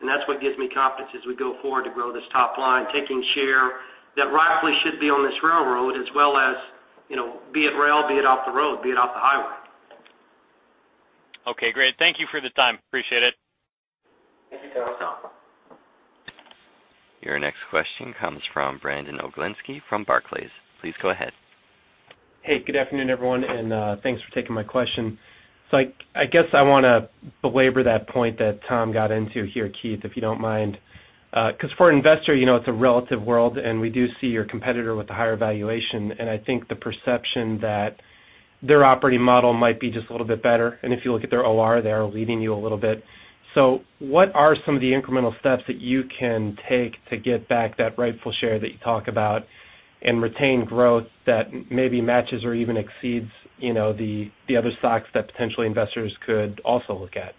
And that's what gives me confidence as we go forward to grow this top line, taking share that rightfully should be on this railroad as well as be it rail, be it off the road, be it off the highway. Okay. Great. Thank you for the time. Appreciate it. Thank you, Tom. Your next question comes from Brandon Oglenski from Barclays. Please go ahead. Hey. Good afternoon, everyone. And thanks for taking my question. So I guess I want to belabor that point that Tom got into here, Keith, if you don't mind. Because for an investor, it's a relative world, and we do see your competitor with a higher valuation. And I think the perception that their operating model might be just a little bit better. And if you look at their OR, they are leading you a little bit. So what are some of the incremental steps that you can take to get back that rightful share that you talk about and retain growth that maybe matches or even exceeds the other stocks that potentially investors could also look at?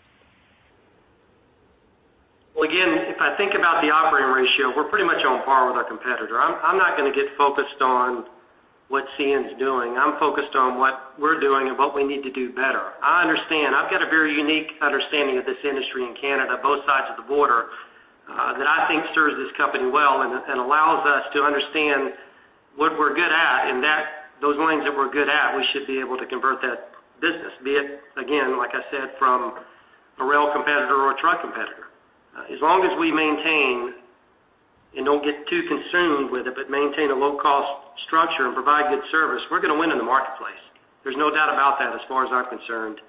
Well, again, if I think about the operating ratio, we're pretty much on par with our competitor. I'm not going to get focused on what CN's doing. I'm focused on what we're doing and what we need to do better. I understand. I've got a very unique understanding of this industry in Canada, both sides of the border, that I think serves this company well and allows us to understand what we're good at. In those lanes that we're good at, we should be able to convert that business, be it, again, like I said, from a rail competitor or a truck competitor. As long as we maintain and don't get too consumed with it, but maintain a low-cost structure and provide good service, we're going to win in the marketplace. There's no doubt about that as far as I'm concerned.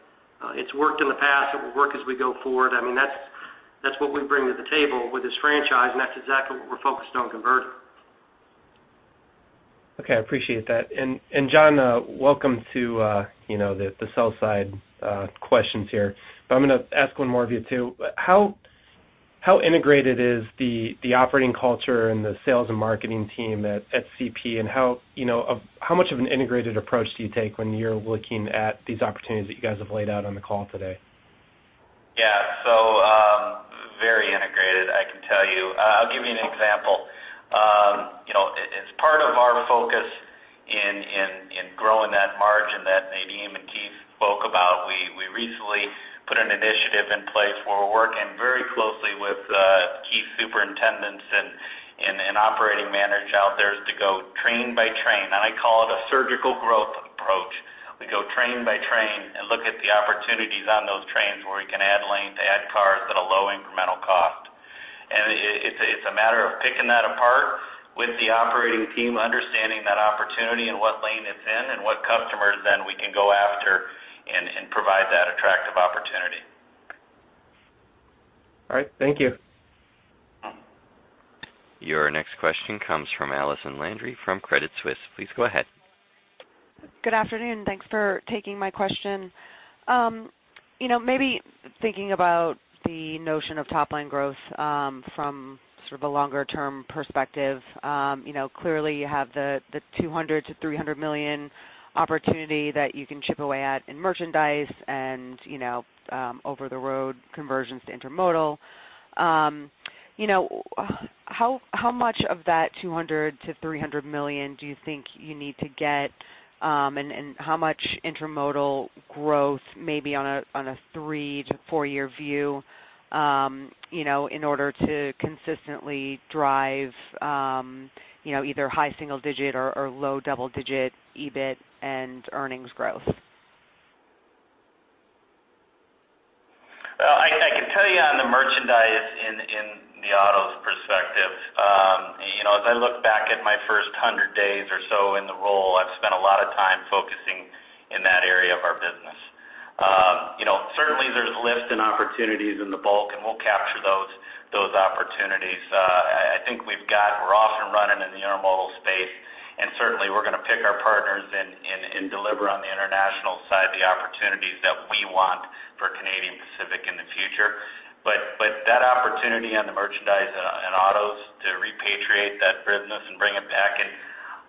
It's worked in the past. It will work as we go forward. I mean, that's what we bring to the table with this franchise, and that's exactly what we're focused on converting. Okay. I appreciate that. John, welcome to the sell-side questions here. I'm going to ask one more of you too. How integrated is the operating culture and the sales and marketing team at CP, and how much of an integrated approach do you take when you're looking at these opportunities that you guys have laid out on the call today? Yeah. So very integrated, I can tell you. I'll give you an example. As part of our focus in growing that margin that Nadeem and Keith spoke about, we recently put an initiative in place where we're working very closely with Keith's superintendents and operating managers out there to go train by train. And I call it a surgical growth approach. We go train by train and look at the opportunities on those trains where we can add length, add cars at a low incremental cost. And it's a matter of picking that apart with the operating team, understanding that opportunity and what lane it's in, and what customers then we can go after and provide that attractive opportunity. All right. Thank you. Your next question comes from Allison Landry from Credit Suisse. Please go ahead. Good afternoon. Thanks for taking my question. Maybe thinking about the notion of top-line growth from sort of a longer-term perspective, clearly, you have the 200 million-300 million opportunity that you can chip away at in merchandise and over-the-road conversions to intermodal. How much of that 200 million-300 million do you think you need to get, and how much intermodal growth maybe on a three to four year view in order to consistently drive either high single-digit or low double-digit EBIT and earnings growth? Well, I can tell you on the merchandise in the autos perspective, as I look back at my first 100 days or so in the role, I've spent a lot of time focusing in that area of our business. Certainly, there's lift and opportunities in the bulk, and we'll capture those opportunities. I think we're off and running in the intermodal space. And certainly, we're going to pick our partners and deliver on the international side the opportunities that we want for Canadian Pacific in the future. But that opportunity on the merchandise and autos to repatriate that business and bring it back in,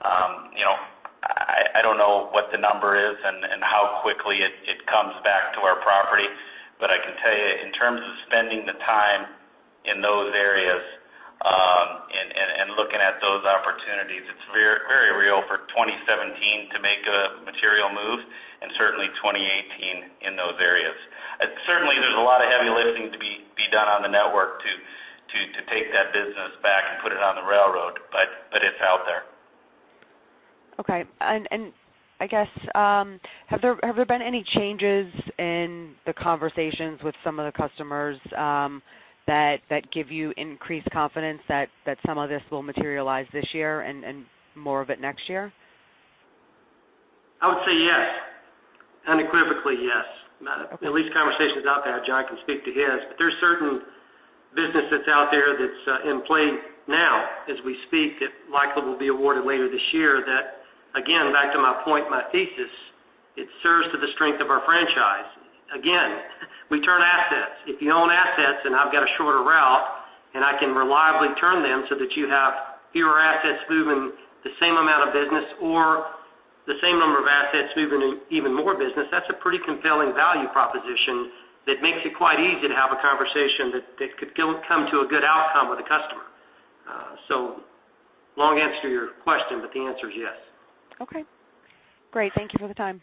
I don't know what the number is and how quickly it comes back to our property. But I can tell you, in terms of spending the time in those areas and looking at those opportunities, it's very real for 2017 to make a material move and certainly 2018 in those areas. Certainly, there's a lot of heavy lifting to be done on the network to take that business back and put it on the railroad, but it's out there. Okay. And I guess, have there been any changes in the conversations with some of the customers that give you increased confidence that some of this will materialize this year and more of it next year? I would say yes. Unequivocally, yes. At least conversation's out there. John can speak to his. But there's certain business that's out there that's in play now as we speak that likely will be awarded later this year that, again, back to my point, my thesis, it serves to the strength of our franchise. Again, we turn assets. If you own assets, and I've got a shorter route, and I can reliably turn them so that you have fewer assets moving, the same amount of business, or the same number of assets moving even more business, that's a pretty compelling value proposition that makes it quite easy to have a conversation that could come to a good outcome with a customer. So long answer to your question, but the answer is yes. Okay. Great. Thank you for the time.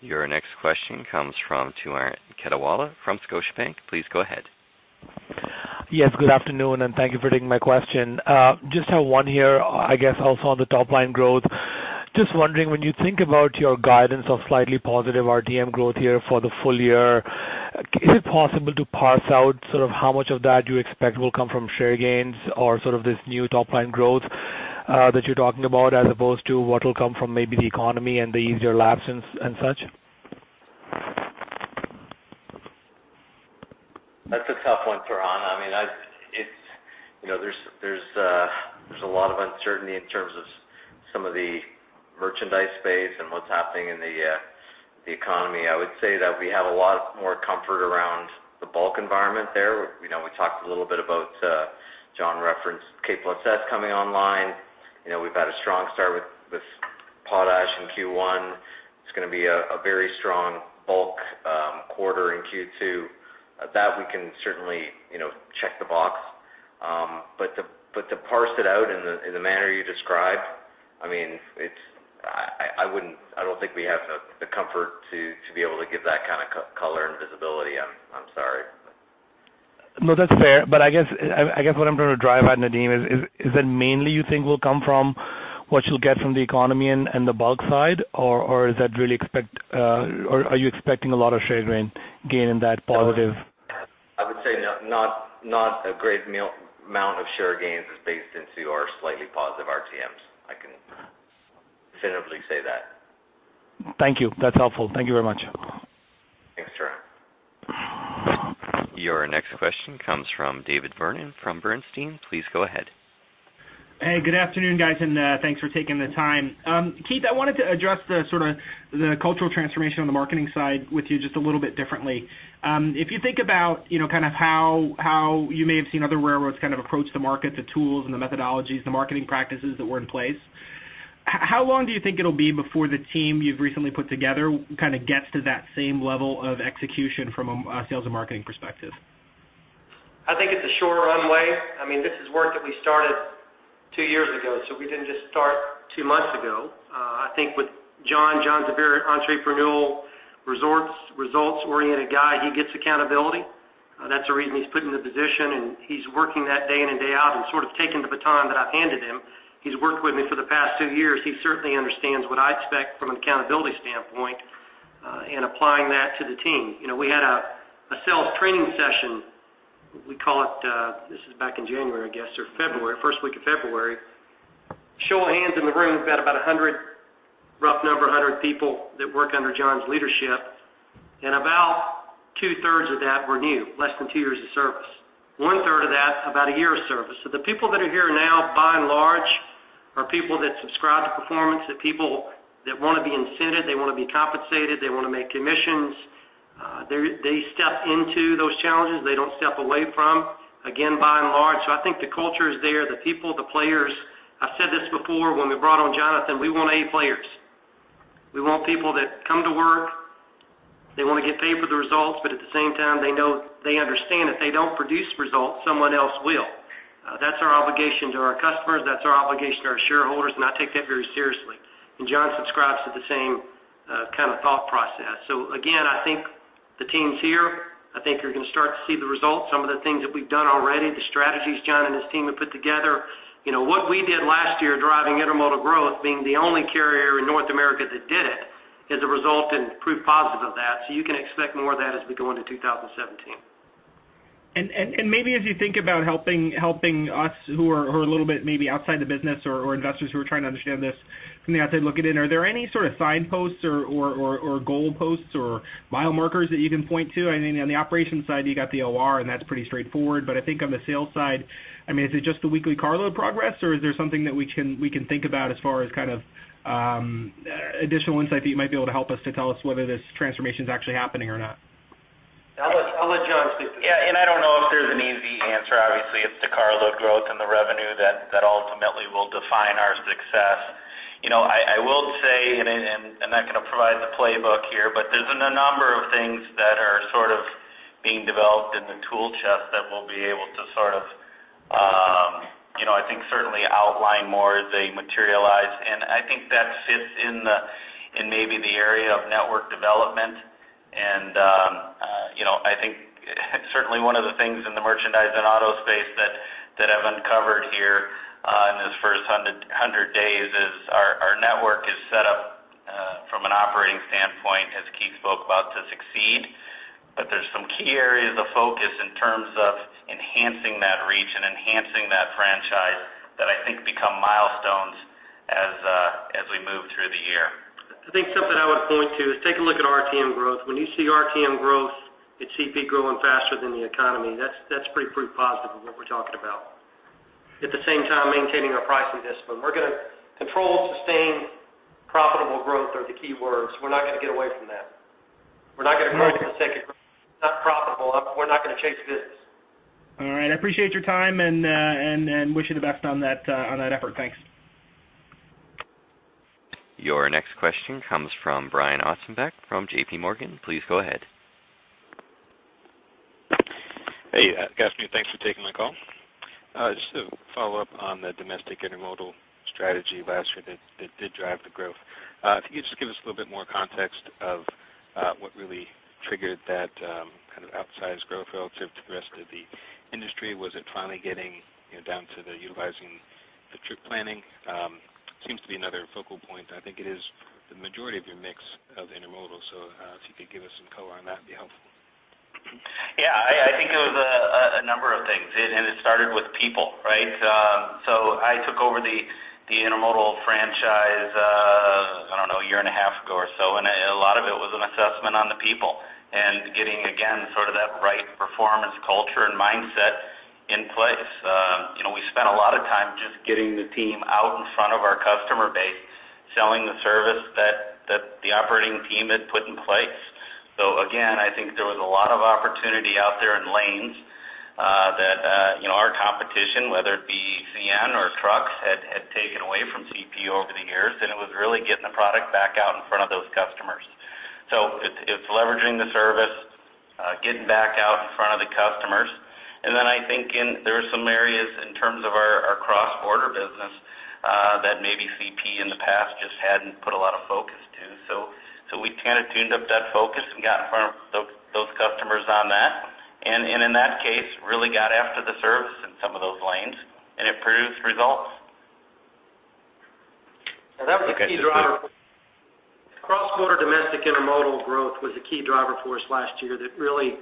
Your next question comes from Turan Quettawala from Scotiabank. Please go ahead. Yes. Good afternoon, and thank you for taking my question. Just have one here, I guess, also on the top-line growth. Just wondering, when you think about your guidance of slightly positive RTM growth here for the full year, is it possible to parse out sort of how much of that you expect will come from share gains or sort of this new top-line growth that you're talking about as opposed to what will come from maybe the economy and the easier lapse and such? That's a tough one, Turan. I mean, there's a lot of uncertainty in terms of some of the merchandise space and what's happening in the economy. I would say that we have a lot more comfort around the bulk environment there. We talked a little bit about John referenced K+S coming online. We've had a strong start with potash in Q1. It's going to be a very strong bulk quarter in Q2. That, we can certainly check the box. But to parse it out in the manner you described, I mean, I don't think we have the comfort to be able to give that kind of color and visibility. I'm sorry. No, that's fair. But I guess what I'm trying to drive at, Nadeem, is that mainly you think will come from what you'll get from the economy and the bulk side, or is that really expected or are you expecting a lot of share gain in that positive? I would say not a great amount of share gains is baked into our slightly positive RTMs. I can definitively say that. Thank you. That's helpful. Thank you very much. Thanks, Turan. Your next question comes from David Vernon from Bernstein. Please go ahead. Hey. Good afternoon, guys, and thanks for taking the time. Keith, I wanted to address sort of the cultural transformation on the marketing side with you just a little bit differently. If you think about kind of how you may have seen other railroads kind of approach the market, the tools and the methodologies, the marketing practices that were in place, how long do you think it'll be before the team you've recently put together kind of gets to that same level of execution from a sales and marketing perspective? I think it's a short runway. I mean, this is work that we started two years ago, so we didn't just start two months ago. I think with John, John's a very entrepreneurial, results-oriented guy. He gets accountability. That's the reason he's put in the position, and he's working that day in and day out and sort of taking the baton that I've handed him. He's worked with me for the past two years. He certainly understands what I expect from an accountability standpoint and applying that to the team. We had a sales training session. We call it. This is back in January, I guess, or February, first week of February. Show of hands in the room, we've got about 100, rough number, 100 people that work under John's leadership. And about 2/3 of that were new, less than two years of service, 1/3 of that, about a year of service. So the people that are here now, by and large, are people that subscribe to performance, that people that want to be incented. They want to be compensated. They want to make commissions. They step into those challenges. They don't step away from, again, by and large. So I think the culture is there. The people, the players. I've said this before. When we brought on Jonathan, we want A players. We want people that come to work. They want to get paid for the results, but at the same time, they understand if they don't produce results, someone else will. That's our obligation to our customers. That's our obligation to our shareholders. And I take that very seriously. And John subscribes to the same kind of thought process. So again, I think the team's here. I think you're going to start to see the results, some of the things that we've done already, the strategies John and his team have put together. What we did last year driving intermodal growth, being the only carrier in North America that did it, is a result and proof positive of that. So you can expect more of that as we go into 2017. And maybe as you think about helping us who are a little bit maybe outside the business or investors who are trying to understand this from the outside, look at it, are there any sort of signposts or goal posts or mile markers that you can point to? I mean, on the operations side, you got the OR, and that's pretty straightforward. But I think on the sales side, I mean, is it just the weekly carload progress, or is there something that we can think about as far as kind of additional insight that you might be able to help us to tell us whether this transformation's actually happening or not? I'll let John speak to that. Yeah. I don't know if there's an easy answer. Obviously, it's the carload growth and the revenue that ultimately will define our success. I will say, and I'm not going to provide the playbook here, but there's a number of things that are sort of being developed in the tool chest that we'll be able to sort of, I think, certainly outline more as they materialize. I think that fits in maybe the area of network development. I think certainly, one of the things in the merchandise and auto space that I've uncovered here in this first 100 days is our network is set up from an operating standpoint, as Keith spoke about, to succeed. But there's some key areas of focus in terms of enhancing that reach and enhancing that franchise that I think become milestones as we move through the year. I think something I would point to is take a look at RTM growth. When you see RTM growth at CP growing faster than the economy, that's pretty proof positive of what we're talking about. At the same time, maintaining our pricing discipline. We're going to control, sustain, profitable growth are the key words. We're not going to get away from that. We're not going to do it if it's not profitable. We're not going to change business. All right. I appreciate your time and wish you the best on that effort. Thanks. Your next question comes from Brian Ossenbeck from J.P. Morgan. Please go ahead. Hey, guys. Thanks for taking my call. Just to follow up on the domestic intermodal strategy last year that did drive the growth, if you could just give us a little bit more context of what really triggered that kind of outsized growth relative to the rest of the industry. Was it finally getting down to utilizing the trip planning? Seems to be another focal point. I think it is the majority of your mix of intermodal. So if you could give us some color on that, it'd be helpful. Yeah. I think it was a number of things. It started with people, right? I took over the intermodal franchise, I don't know, a year and a half ago or so. A lot of it was an assessment on the people and getting, again, sort of that right performance culture and mindset in place. We spent a lot of time just getting the team out in front of our customer base, selling the service that the operating team had put in place. Again, I think there was a lot of opportunity out there in lanes that our competition, whether it be CN or trucks, had taken away from CP over the years. It was really getting the product back out in front of those customers. It's leveraging the service, getting back out in front of the customers. Then I think there were some areas in terms of our cross-border business that maybe CP in the past just hadn't put a lot of focus to. We kind of tuned up that focus and got in front of those customers on that and, in that case, really got after the service in some of those lanes. It produced results. Yeah. That was a key driver for us. Cross-border domestic intermodal growth was a key driver for us last year that really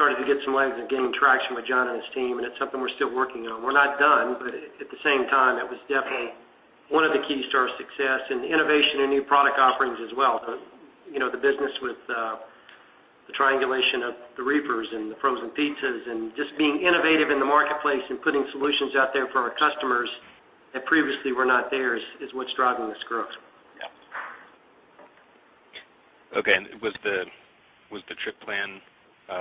started to get some legs and gain traction with John and his team. It's something we're still working on. We're not done, but at the same time, it was definitely one of the keystones to our success and innovation and new product offerings as well. The business with the triangulation of the reefers and the frozen pizzas and just being innovative in the marketplace and putting solutions out there for our customers that previously were not there is what's driving this growth. Yeah. Okay. And was the trip plan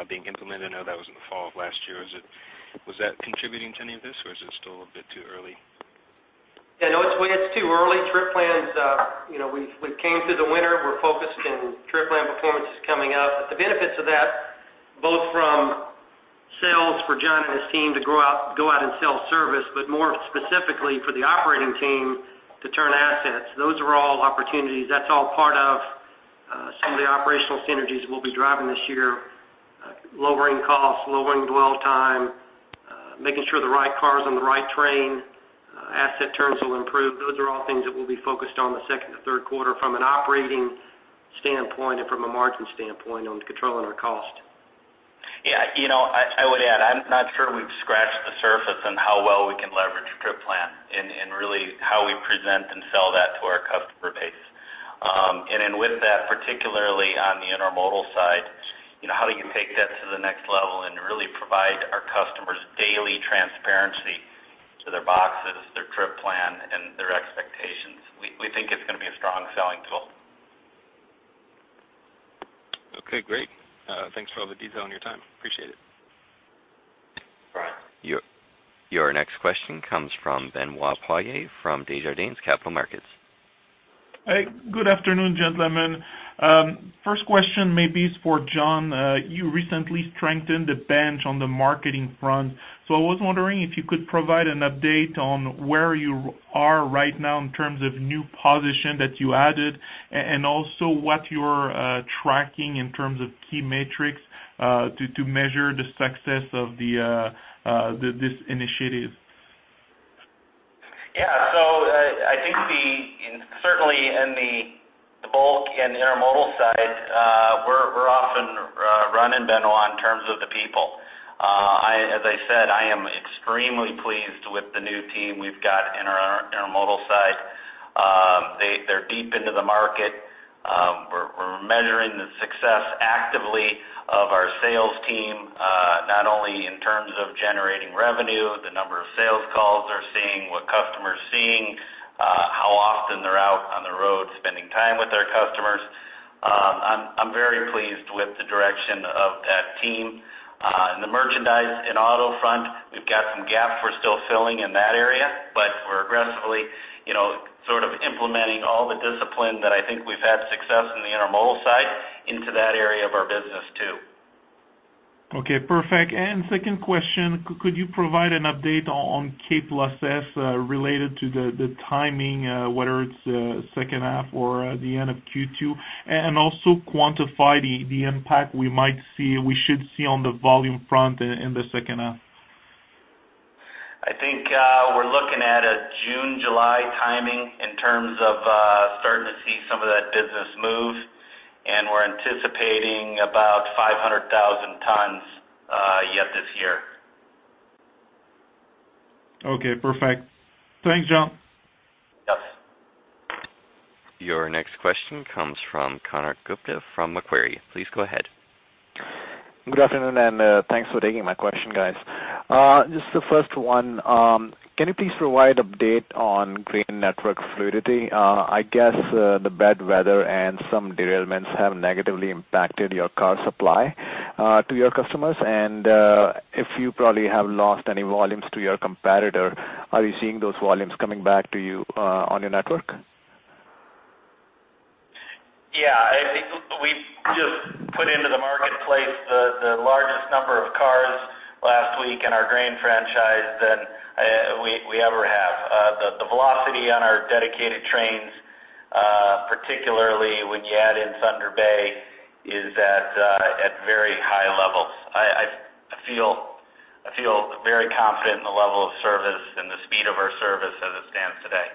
being implemented? I know that was in the fall of last year. Was that contributing to any of this, or is it still a bit too early? Yeah. No, it's too early. Trip plans, we've came through the winter. We're focused in trip plan performances coming up. But the benefits of that, both from sales for John and his team to go out and sell service but more specifically for the operating team to turn assets, those are all opportunities. That's all part of some of the operational synergies we'll be driving this year, lowering costs, lowering dwell time, making sure the right car's on the right train, asset turns will improve. Those are all things that we'll be focused on the second to third quarter from an operating standpoint and from a margin standpoint on controlling our cost. Yeah. I would add. I'm not sure we've scratched the surface on how well we can leverage trip plan and really how we present and sell that to our customer base. And then with that, particularly on the intermodal side, how do you take that to the next level and really provide our customers daily transparency to their boxes, their trip plan, and their expectations? We think it's going to be a strong selling tool. Okay. Great. Thanks for all the detail and your time. Appreciate it. Brian. Your next question comes from Benoît Poirier from Desjardins Capital Markets. Hey. Good afternoon, gentlemen. First question maybe is for John. You recently strengthened the bench on the marketing front. So I was wondering if you could provide an update on where you are right now in terms of new position that you added and also what you're tracking in terms of key metrics to measure the success of this initiative. Yeah. So I think certainly, in the bulk and intermodal side, we're often running Benoît on in terms of the people. As I said, I am extremely pleased with the new team we've got in our intermodal side. They're deep into the market. We're measuring the success actively of our sales team, not only in terms of generating revenue, the number of sales calls they're seeing, what customers are seeing, how often they're out on the road spending time with our customers. I'm very pleased with the direction of that team. In the merchandise and auto front, we've got some gaps we're still filling in that area, but we're aggressively sort of implementing all the discipline that I think we've had success in the intermodal side into that area of our business too. Okay. Perfect. And second question, could you provide an update on K+S related to the timing, whether it's second half or the end of Q2, and also quantify the impact we should see on the volume front in the second half? I think we're looking at a June, July timing in terms of starting to see some of that business move. We're anticipating about 500,000 tons yet this year. Okay. Perfect. Thanks, John. Yes. Your next question comes from Konark Gupta from Macquarie. Please go ahead. Good afternoon, and thanks for taking my question, guys. Just the first one, can you please provide an update on grain network fluidity? I guess the bad weather and some derailments have negatively impacted your car supply to your customers. And if you probably have lost any volumes to your competitor, are you seeing those volumes coming back to you on your network? Yeah. I think we've just put into the marketplace the largest number of cars last week in our grain franchise than we ever have. The velocity on our dedicated trains, particularly when you add in Thunder Bay, is at very high levels. I feel very confident in the level of service and the speed of our service as it stands today.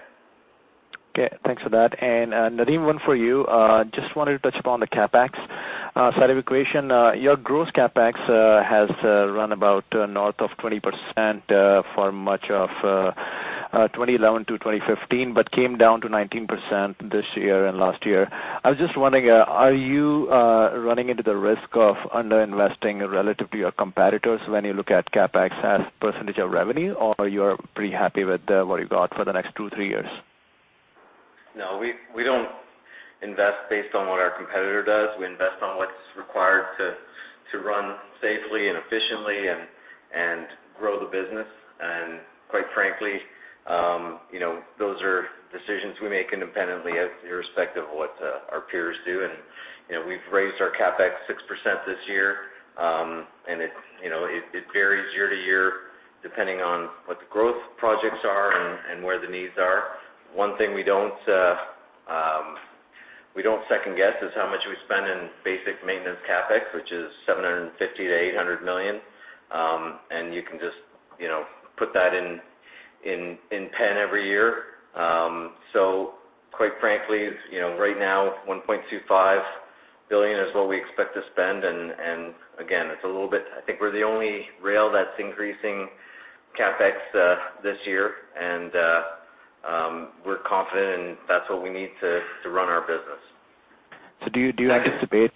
Okay. Thanks for that. And Nadeem, one for you. Just wanted to touch upon the CapEx side of the equation. Your gross CapEx has run about north of 20% for much of 2011 to 2015 but came down to 19% this year and last year. I was just wondering, are you running into the risk of underinvesting relative to your competitors when you look at CapEx as percentage of revenue, or you're pretty happy with what you got for the next two, three years? No. We don't invest based on what our competitor does. We invest on what's required to run safely and efficiently and grow the business. Quite frankly, those are decisions we make independently irrespective of what our peers do. We've raised our CapEx 6% this year. It varies year to year depending on what the growth projects are and where the needs are. One thing we don't second-guess is how much we spend in basic maintenance CapEx, which is 750 million-800 million. You can just put that in pen every year. Quite frankly, right now, 1.25 billion is what we expect to spend. Again, it's a little bit, I think, we're the only rail that's increasing CapEx this year. We're confident, and that's what we need to run our business. So, do you anticipate?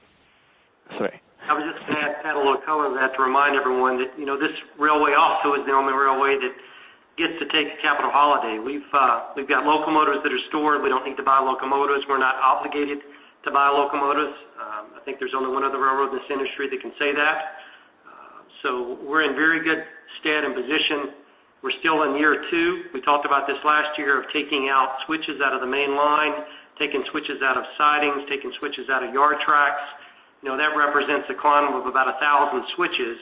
Sorry. I was just going to add a little color to that to remind everyone that this railway also is the only railway that gets to take a capital holiday. We've got locomotives that are stored. We don't need to buy locomotives. We're not obligated to buy locomotives. I think there's only one other railroad in this industry that can say that. So we're in very good stand and position. We're still in year two. We talked about this last year of taking out switches out of the main line, taking switches out of sidings, taking switches out of yard tracks. That represents a column of about 1,000 switches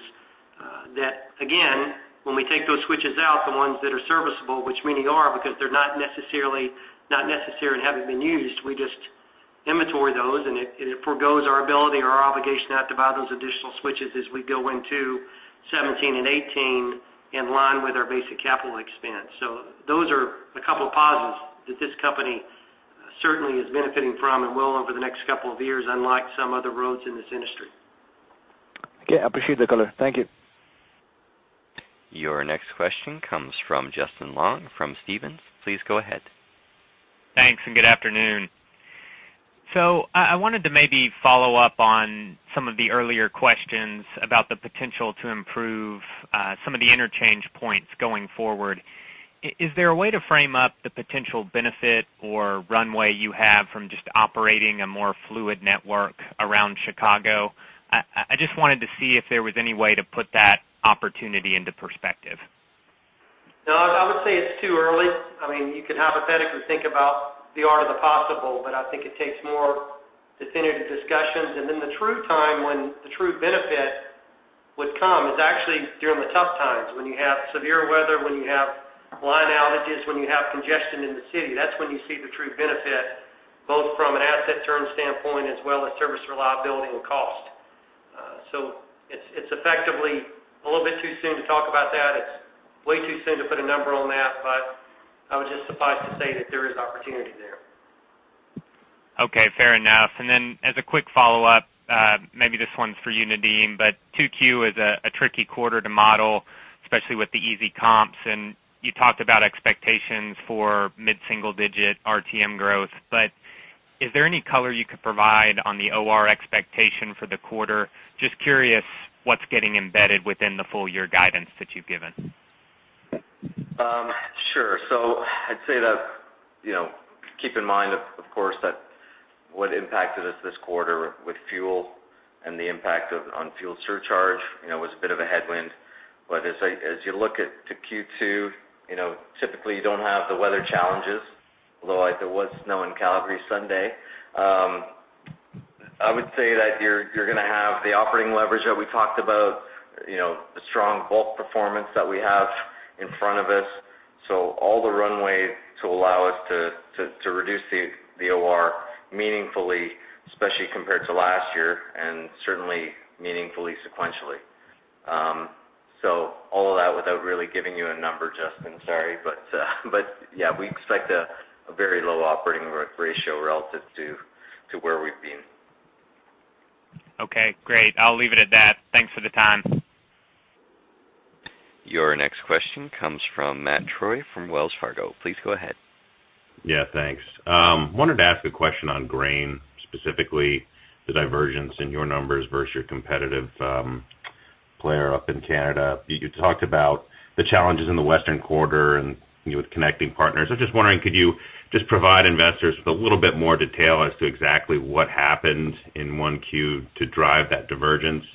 that, again, when we take those switches out, the ones that are serviceable, which many are because they're not necessary and haven't been used, we just inventory those. It foregoes our ability or our obligation not to buy those additional switches as we go into 2017 and 2018 in line with our basic capital expense. Those are a couple of positives that this company certainly is benefiting from and will over the next couple of years, unlike some other roads in this industry. Okay. I appreciate the color. Thank you. Your next question comes from Justin Long from Stephens. Please go ahead. Thanks. Good afternoon. I wanted to maybe follow up on some of the earlier questions about the potential to improve some of the interchange points going forward. Is there a way to frame up the potential benefit or runway you have from just operating a more fluid network around Chicago? I just wanted to see if there was any way to put that opportunity into perspective. No. I would say it's too early. I mean, you could hypothetically think about the art of the possible, but I think it takes more definitive discussions. And then the true time when the true benefit would come is actually during the tough times, when you have severe weather, when you have line outages, when you have congestion in the city. That's when you see the true benefit, both from an asset turn standpoint as well as service reliability and cost. So it's effectively a little bit too soon to talk about that. It's way too soon to put a number on that. But I would just suffice to say that there is opportunity there. Okay. Fair enough. Then as a quick follow-up, maybe this one's for you, Nadeem, but 2Q is a tricky quarter to model, especially with the easy comps. And you talked about expectations for mid-single-digit RTM growth. But is there any color you could provide on the OR expectation for the quarter? Just curious what's getting embedded within the full-year guidance that you've given. Sure. So I'd say, keep in mind, of course, that what impacted us this quarter with fuel and the impact on fuel surcharge was a bit of a headwind. But as you look at Q2, typically, you don't have the weather challenges, although there was snow in Calgary Sunday. I would say that you're going to have the operating leverage that we talked about, the strong bulk performance that we have in front of us, so all the runway to allow us to reduce the OR meaningfully, especially compared to last year and certainly meaningfully sequentially. So all of that without really giving you a number, Justin. Sorry. But yeah, we expect a very low operating ratio relative to where we've been. Okay. Great. I'll leave it at that. Thanks for the time. Your next question comes from Matt Troy from Wells Fargo. Please go ahead. Yeah. Thanks. Wanted to ask a question on grain, specifically the divergence in your numbers versus your competitive player up in Canada. You talked about the challenges in the western quarter and with connecting partners. I was just wondering, could you just provide investors with a little bit more detail as to exactly what happened in 1Q to drive that divergence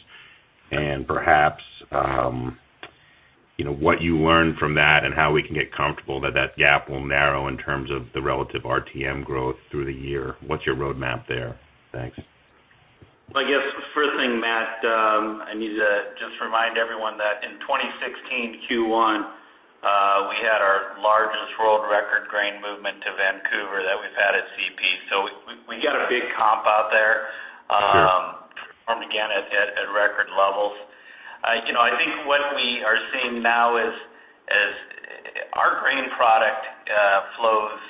and perhaps what you learned from that and how we can get comfortable that that gap will narrow in terms of the relative RTM growth through the year? What's your roadmap there? Thanks. Well, I guess first thing, Matt, I need to just remind everyone that in 2016 Q1, we had our largest world-record grain movement to Vancouver that we've had at CP. So we got a big comp out there, performed again at record levels. I think what we are seeing now is our grain product flows,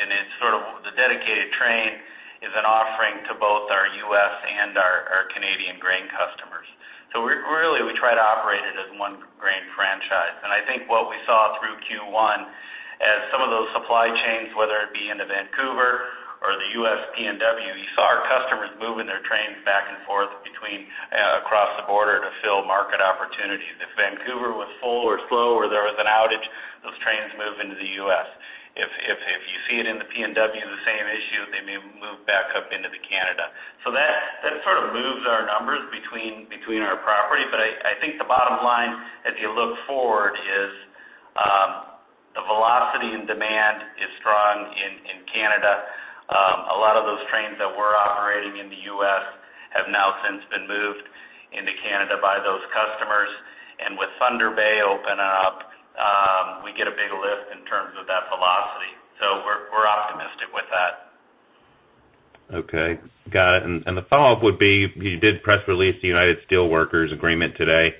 and it's sort of the dedicated train is an offering to both our U.S. and our Canadian grain customers. So really, we try to operate it as one grain franchise. And I think what we saw through Q1 as some of those supply chains, whether it be into Vancouver or the U.S. PNW, you saw our customers moving their trains back and forth across the border to fill market opportunities. If Vancouver was full or slow or there was an outage, those trains moved into the U.S. If you see it in the PNW, the same issue, they may move back up into Canada. So that sort of moves our numbers between our property. But I think the bottom line, as you look forward, is the velocity and demand is strong in Canada. A lot of those trains that we're operating in the U.S. have now since been moved into Canada by those customers. And with Thunder Bay opening up, we get a big lift in terms of that velocity. So we're optimistic with that. Okay. Got it. The follow-up would be, you did press release the United Steelworkers Agreement today.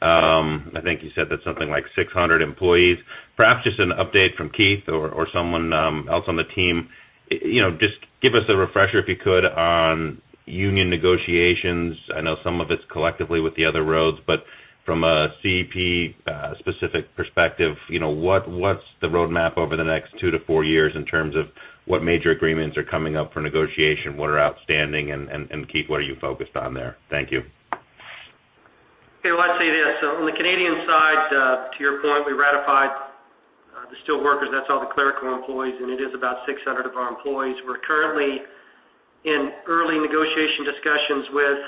I think you said that's something like 600 employees. Perhaps just an update from Keith or someone else on the team. Just give us a refresher, if you could, on union negotiations. I know some of it's collectively with the other roads. But from a CP-specific perspective, what's the roadmap over the next two to four years in terms of what major agreements are coming up for negotiation? What are outstanding? And Keith, what are you focused on there? Thank you. Okay. Well, I'll say this. So on the Canadian side, to your point, we ratified the Steelworkers. That's all the clerical employees. And it is about 600 of our employees. We're currently in early negotiation discussions with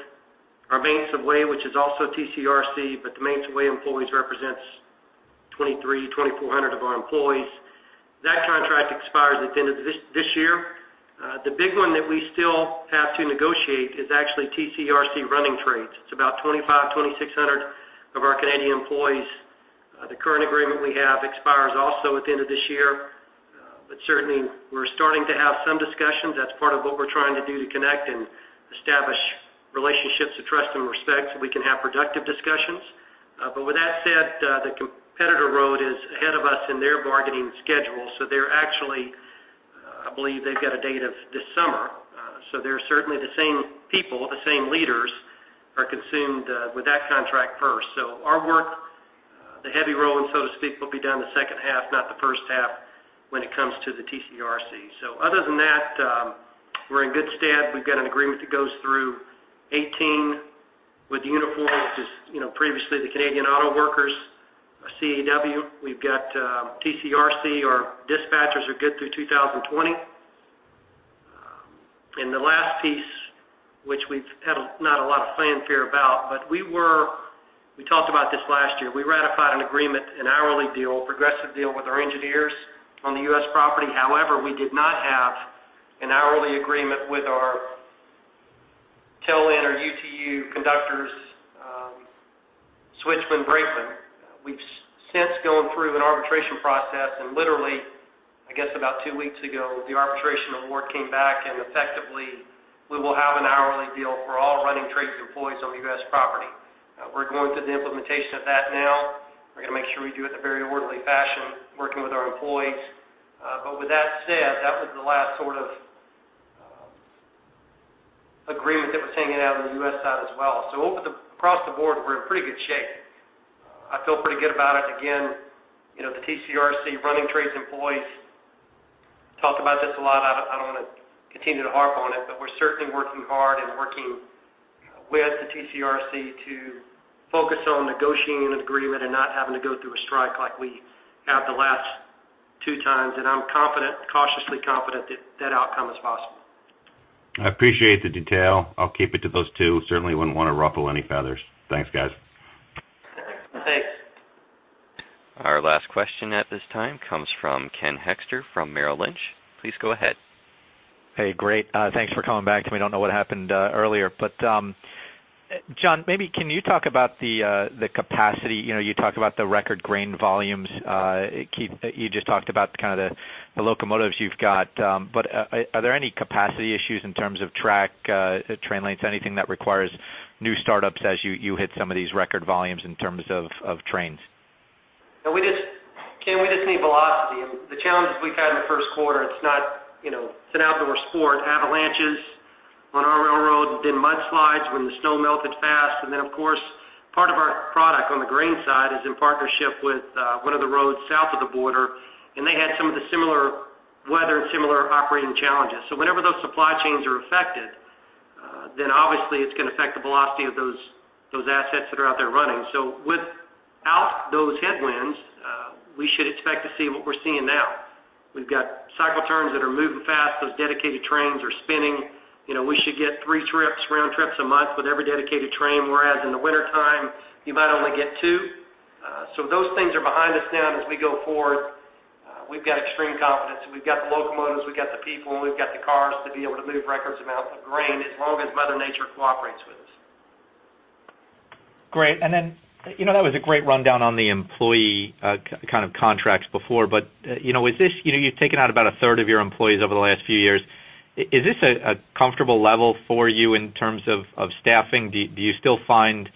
our maintenance of way, which is also TCRC, but the maintenance of way employees represent 2,400 of our employees. That contract expires at the end of this year. The big one that we still have to negotiate is actually TCRC running trades. It's about 2,600 of our Canadian employees. The current agreement we have expires also at the end of this year. But certainly, we're starting to have some discussions. That's part of what we're trying to do to connect and establish relationships of trust and respect so we can have productive discussions. But with that said, the competitor road is ahead of us in their bargaining schedule. So, they're actually, I believe, they've got a date of this summer. So, they're certainly the same people, the same leaders, are consumed with that contract first. So, our work, the heavy role, so to speak, will be done the second half, not the first half, when it comes to the TCRC. So, other than that, we're in good stand. We've got an agreement that goes through 2018 with Unifor, which is previously the Canadian Auto Workers, CAW. We've got TCRC. Our dispatchers are good through 2020. And the last piece, which we've had not a lot of fanfare about, but we talked about this last year. We ratified an agreement, an hourly deal, progressive deal with our engineers on the U.S. property. However, we did not have an hourly agreement with our tail end our UTU conductors, switchmen, brakemen. We've since gone through an arbitration process. And literally, I guess about two weeks ago, the arbitration award came back. And effectively, we will have an hourly deal for all running trades employees on the U.S. property. We're going through the implementation of that now. We're going to make sure we do it in a very orderly fashion, working with our employees. But with that said, that was the last sort of agreement that was hanging out on the U.S. side as well. So across the board, we're in pretty good shape. I feel pretty good about it. Again, the TCRC running trades employees talked about this a lot. I don't want to continue to harp on it. But we're certainly working hard and working with the TCRC to focus on negotiating an agreement and not having to go through a strike like we have the last two times. I'm confident, cautiously confident, that that outcome is possible. I appreciate the detail. I'll keep it to those two. Certainly wouldn't want to ruffle any feathers. Thanks, guys. Thanks. Our last question at this time comes from Ken Hoexter from Merrill Lynch. Please go ahead. Hey. Great. Thanks for coming back to me. I don't know what happened earlier. But John, maybe can you talk about the capacity? You talked about the record grain volumes. Keith, you just talked about kind of the locomotives you've got. But are there any capacity issues in terms of track, train lengths, anything that requires new startups as you hit some of these record volumes in terms of trains? Yeah. We just need velocity. And the challenges we've had in the first quarter, it's an outdoor sport. Avalanches on our railroad and mudslides when the snow melted fast. And then, of course, part of our product on the grain side is in partnership with one of the roads south of the border. And they had some of the similar weather and similar operating challenges. So whenever those supply chains are affected, then obviously, it's going to affect the velocity of those assets that are out there running. So without those headwinds, we should expect to see what we're seeing now. We've got cycle turns that are moving fast. Those dedicated trains are spinning. We should get three trips, round trips a month with every dedicated train. Whereas in the wintertime, you might only get two. So those things are behind us now. As we go forward, we've got extreme confidence. We've got the locomotives. We've got the people. And we've got the cars to be able to move record amounts of grain as long as mother nature cooperates with us. Great. And then that was a great rundown on the employee kind of contracts before. But is this you've taken out about a third of your employees over the last few years. Is this a comfortable level for you in terms of staffing? Do you still find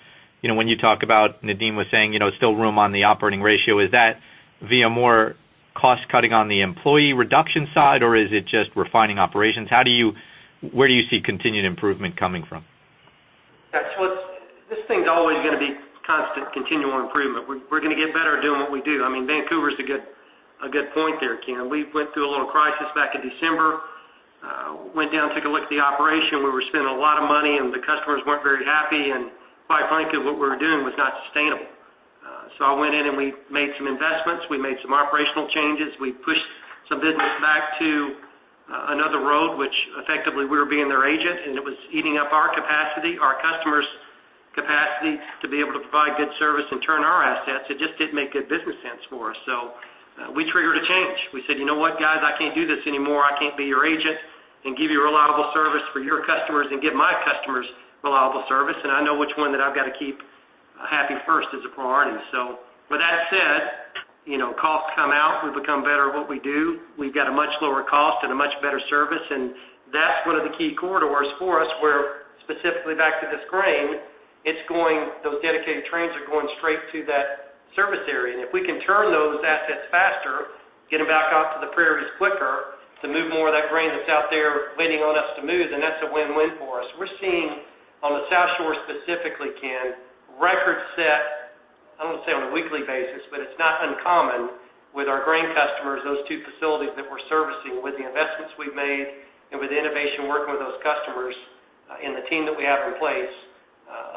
when you talk about Nadeem was saying still room on the operating ratio, is that via more cost-cutting on the employee reduction side? Or is it just refining operations? Where do you see continued improvement coming from? This thing's always going to be constant, continual improvement. We're going to get better at doing what we do. I mean, Vancouver's a good point there, Ken. We went through a little crisis back in December, went down, took a look at the operation. We were spending a lot of money. The customers weren't very happy. Quite frankly, what we were doing was not sustainable. I went in, and we made some investments. We made some operational changes. We pushed some business back to another road, which effectively, we were being their agent. It was eating up our capacity, our customers' capacity, to be able to provide good service and turn our assets. It just didn't make good business sense for us. We triggered a change. We said, "You know what, guys? I can't do this anymore. I can't be your agent and give you reliable service for your customers and give my customers reliable service. And I know which one that I've got to keep happy first as a priority." So with that said, costs come out. We become better at what we do. We've got a much lower cost and a much better service. And that's one of the key corridors for us where, specifically back to this grain, those dedicated trains are going straight to that service area. And if we can turn those assets faster, get them back out to the Prairies quicker to move more of that grain that's out there waiting on us to move, then that's a win-win for us. We're seeing on the South Shore specifically, Ken, record-setting. I don't want to say on a weekly basis, but it's not uncommon with our grain customers, those two facilities that we're servicing, with the investments we've made and with the innovation working with those customers and the team that we have in place,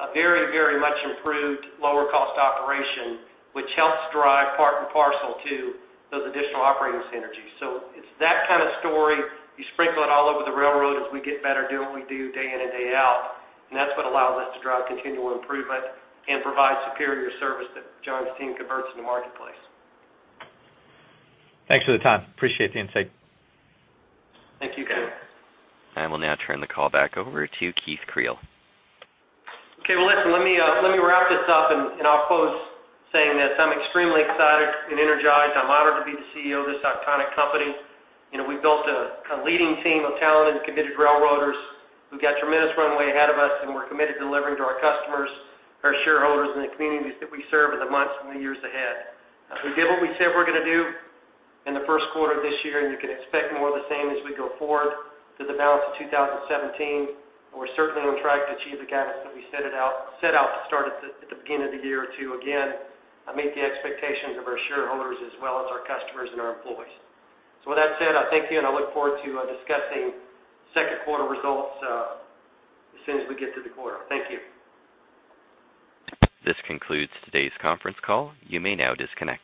a very, very much improved lower-cost operation, which helps drive part and parcel to those additional operating synergies. So it's that kind of story. You sprinkle it all over the railroad as we get better, do what we do day in and day out. And that's what allows us to drive continual improvement and provide superior service that John's team converts into marketplace. Thanks for the time. Appreciate the insight. Thank you, Ken. Okay. I will now turn the call back over to Keith Creel. Okay. Well, listen, let me wrap this up. I'll close saying this. I'm extremely excited and energized. I'm honored to be the CEO of this iconic company. We built a leading team of talented and committed railroaders. We've got tremendous runway ahead of us. We're committed to delivering to our customers, our shareholders, and the communities that we serve in the months and the years ahead. We did what we said we're going to do in the first quarter of this year. You can expect more of the same as we go forward to the balance of 2017. We're certainly on track to achieve the guidance that we set out to start at the beginning of the year to again meet the expectations of our shareholders as well as our customers and our employees. With that said, I thank you. I look forward to discussing second quarter results as soon as we get to the quarter. Thank you. This concludes today's conference call. You may now disconnect.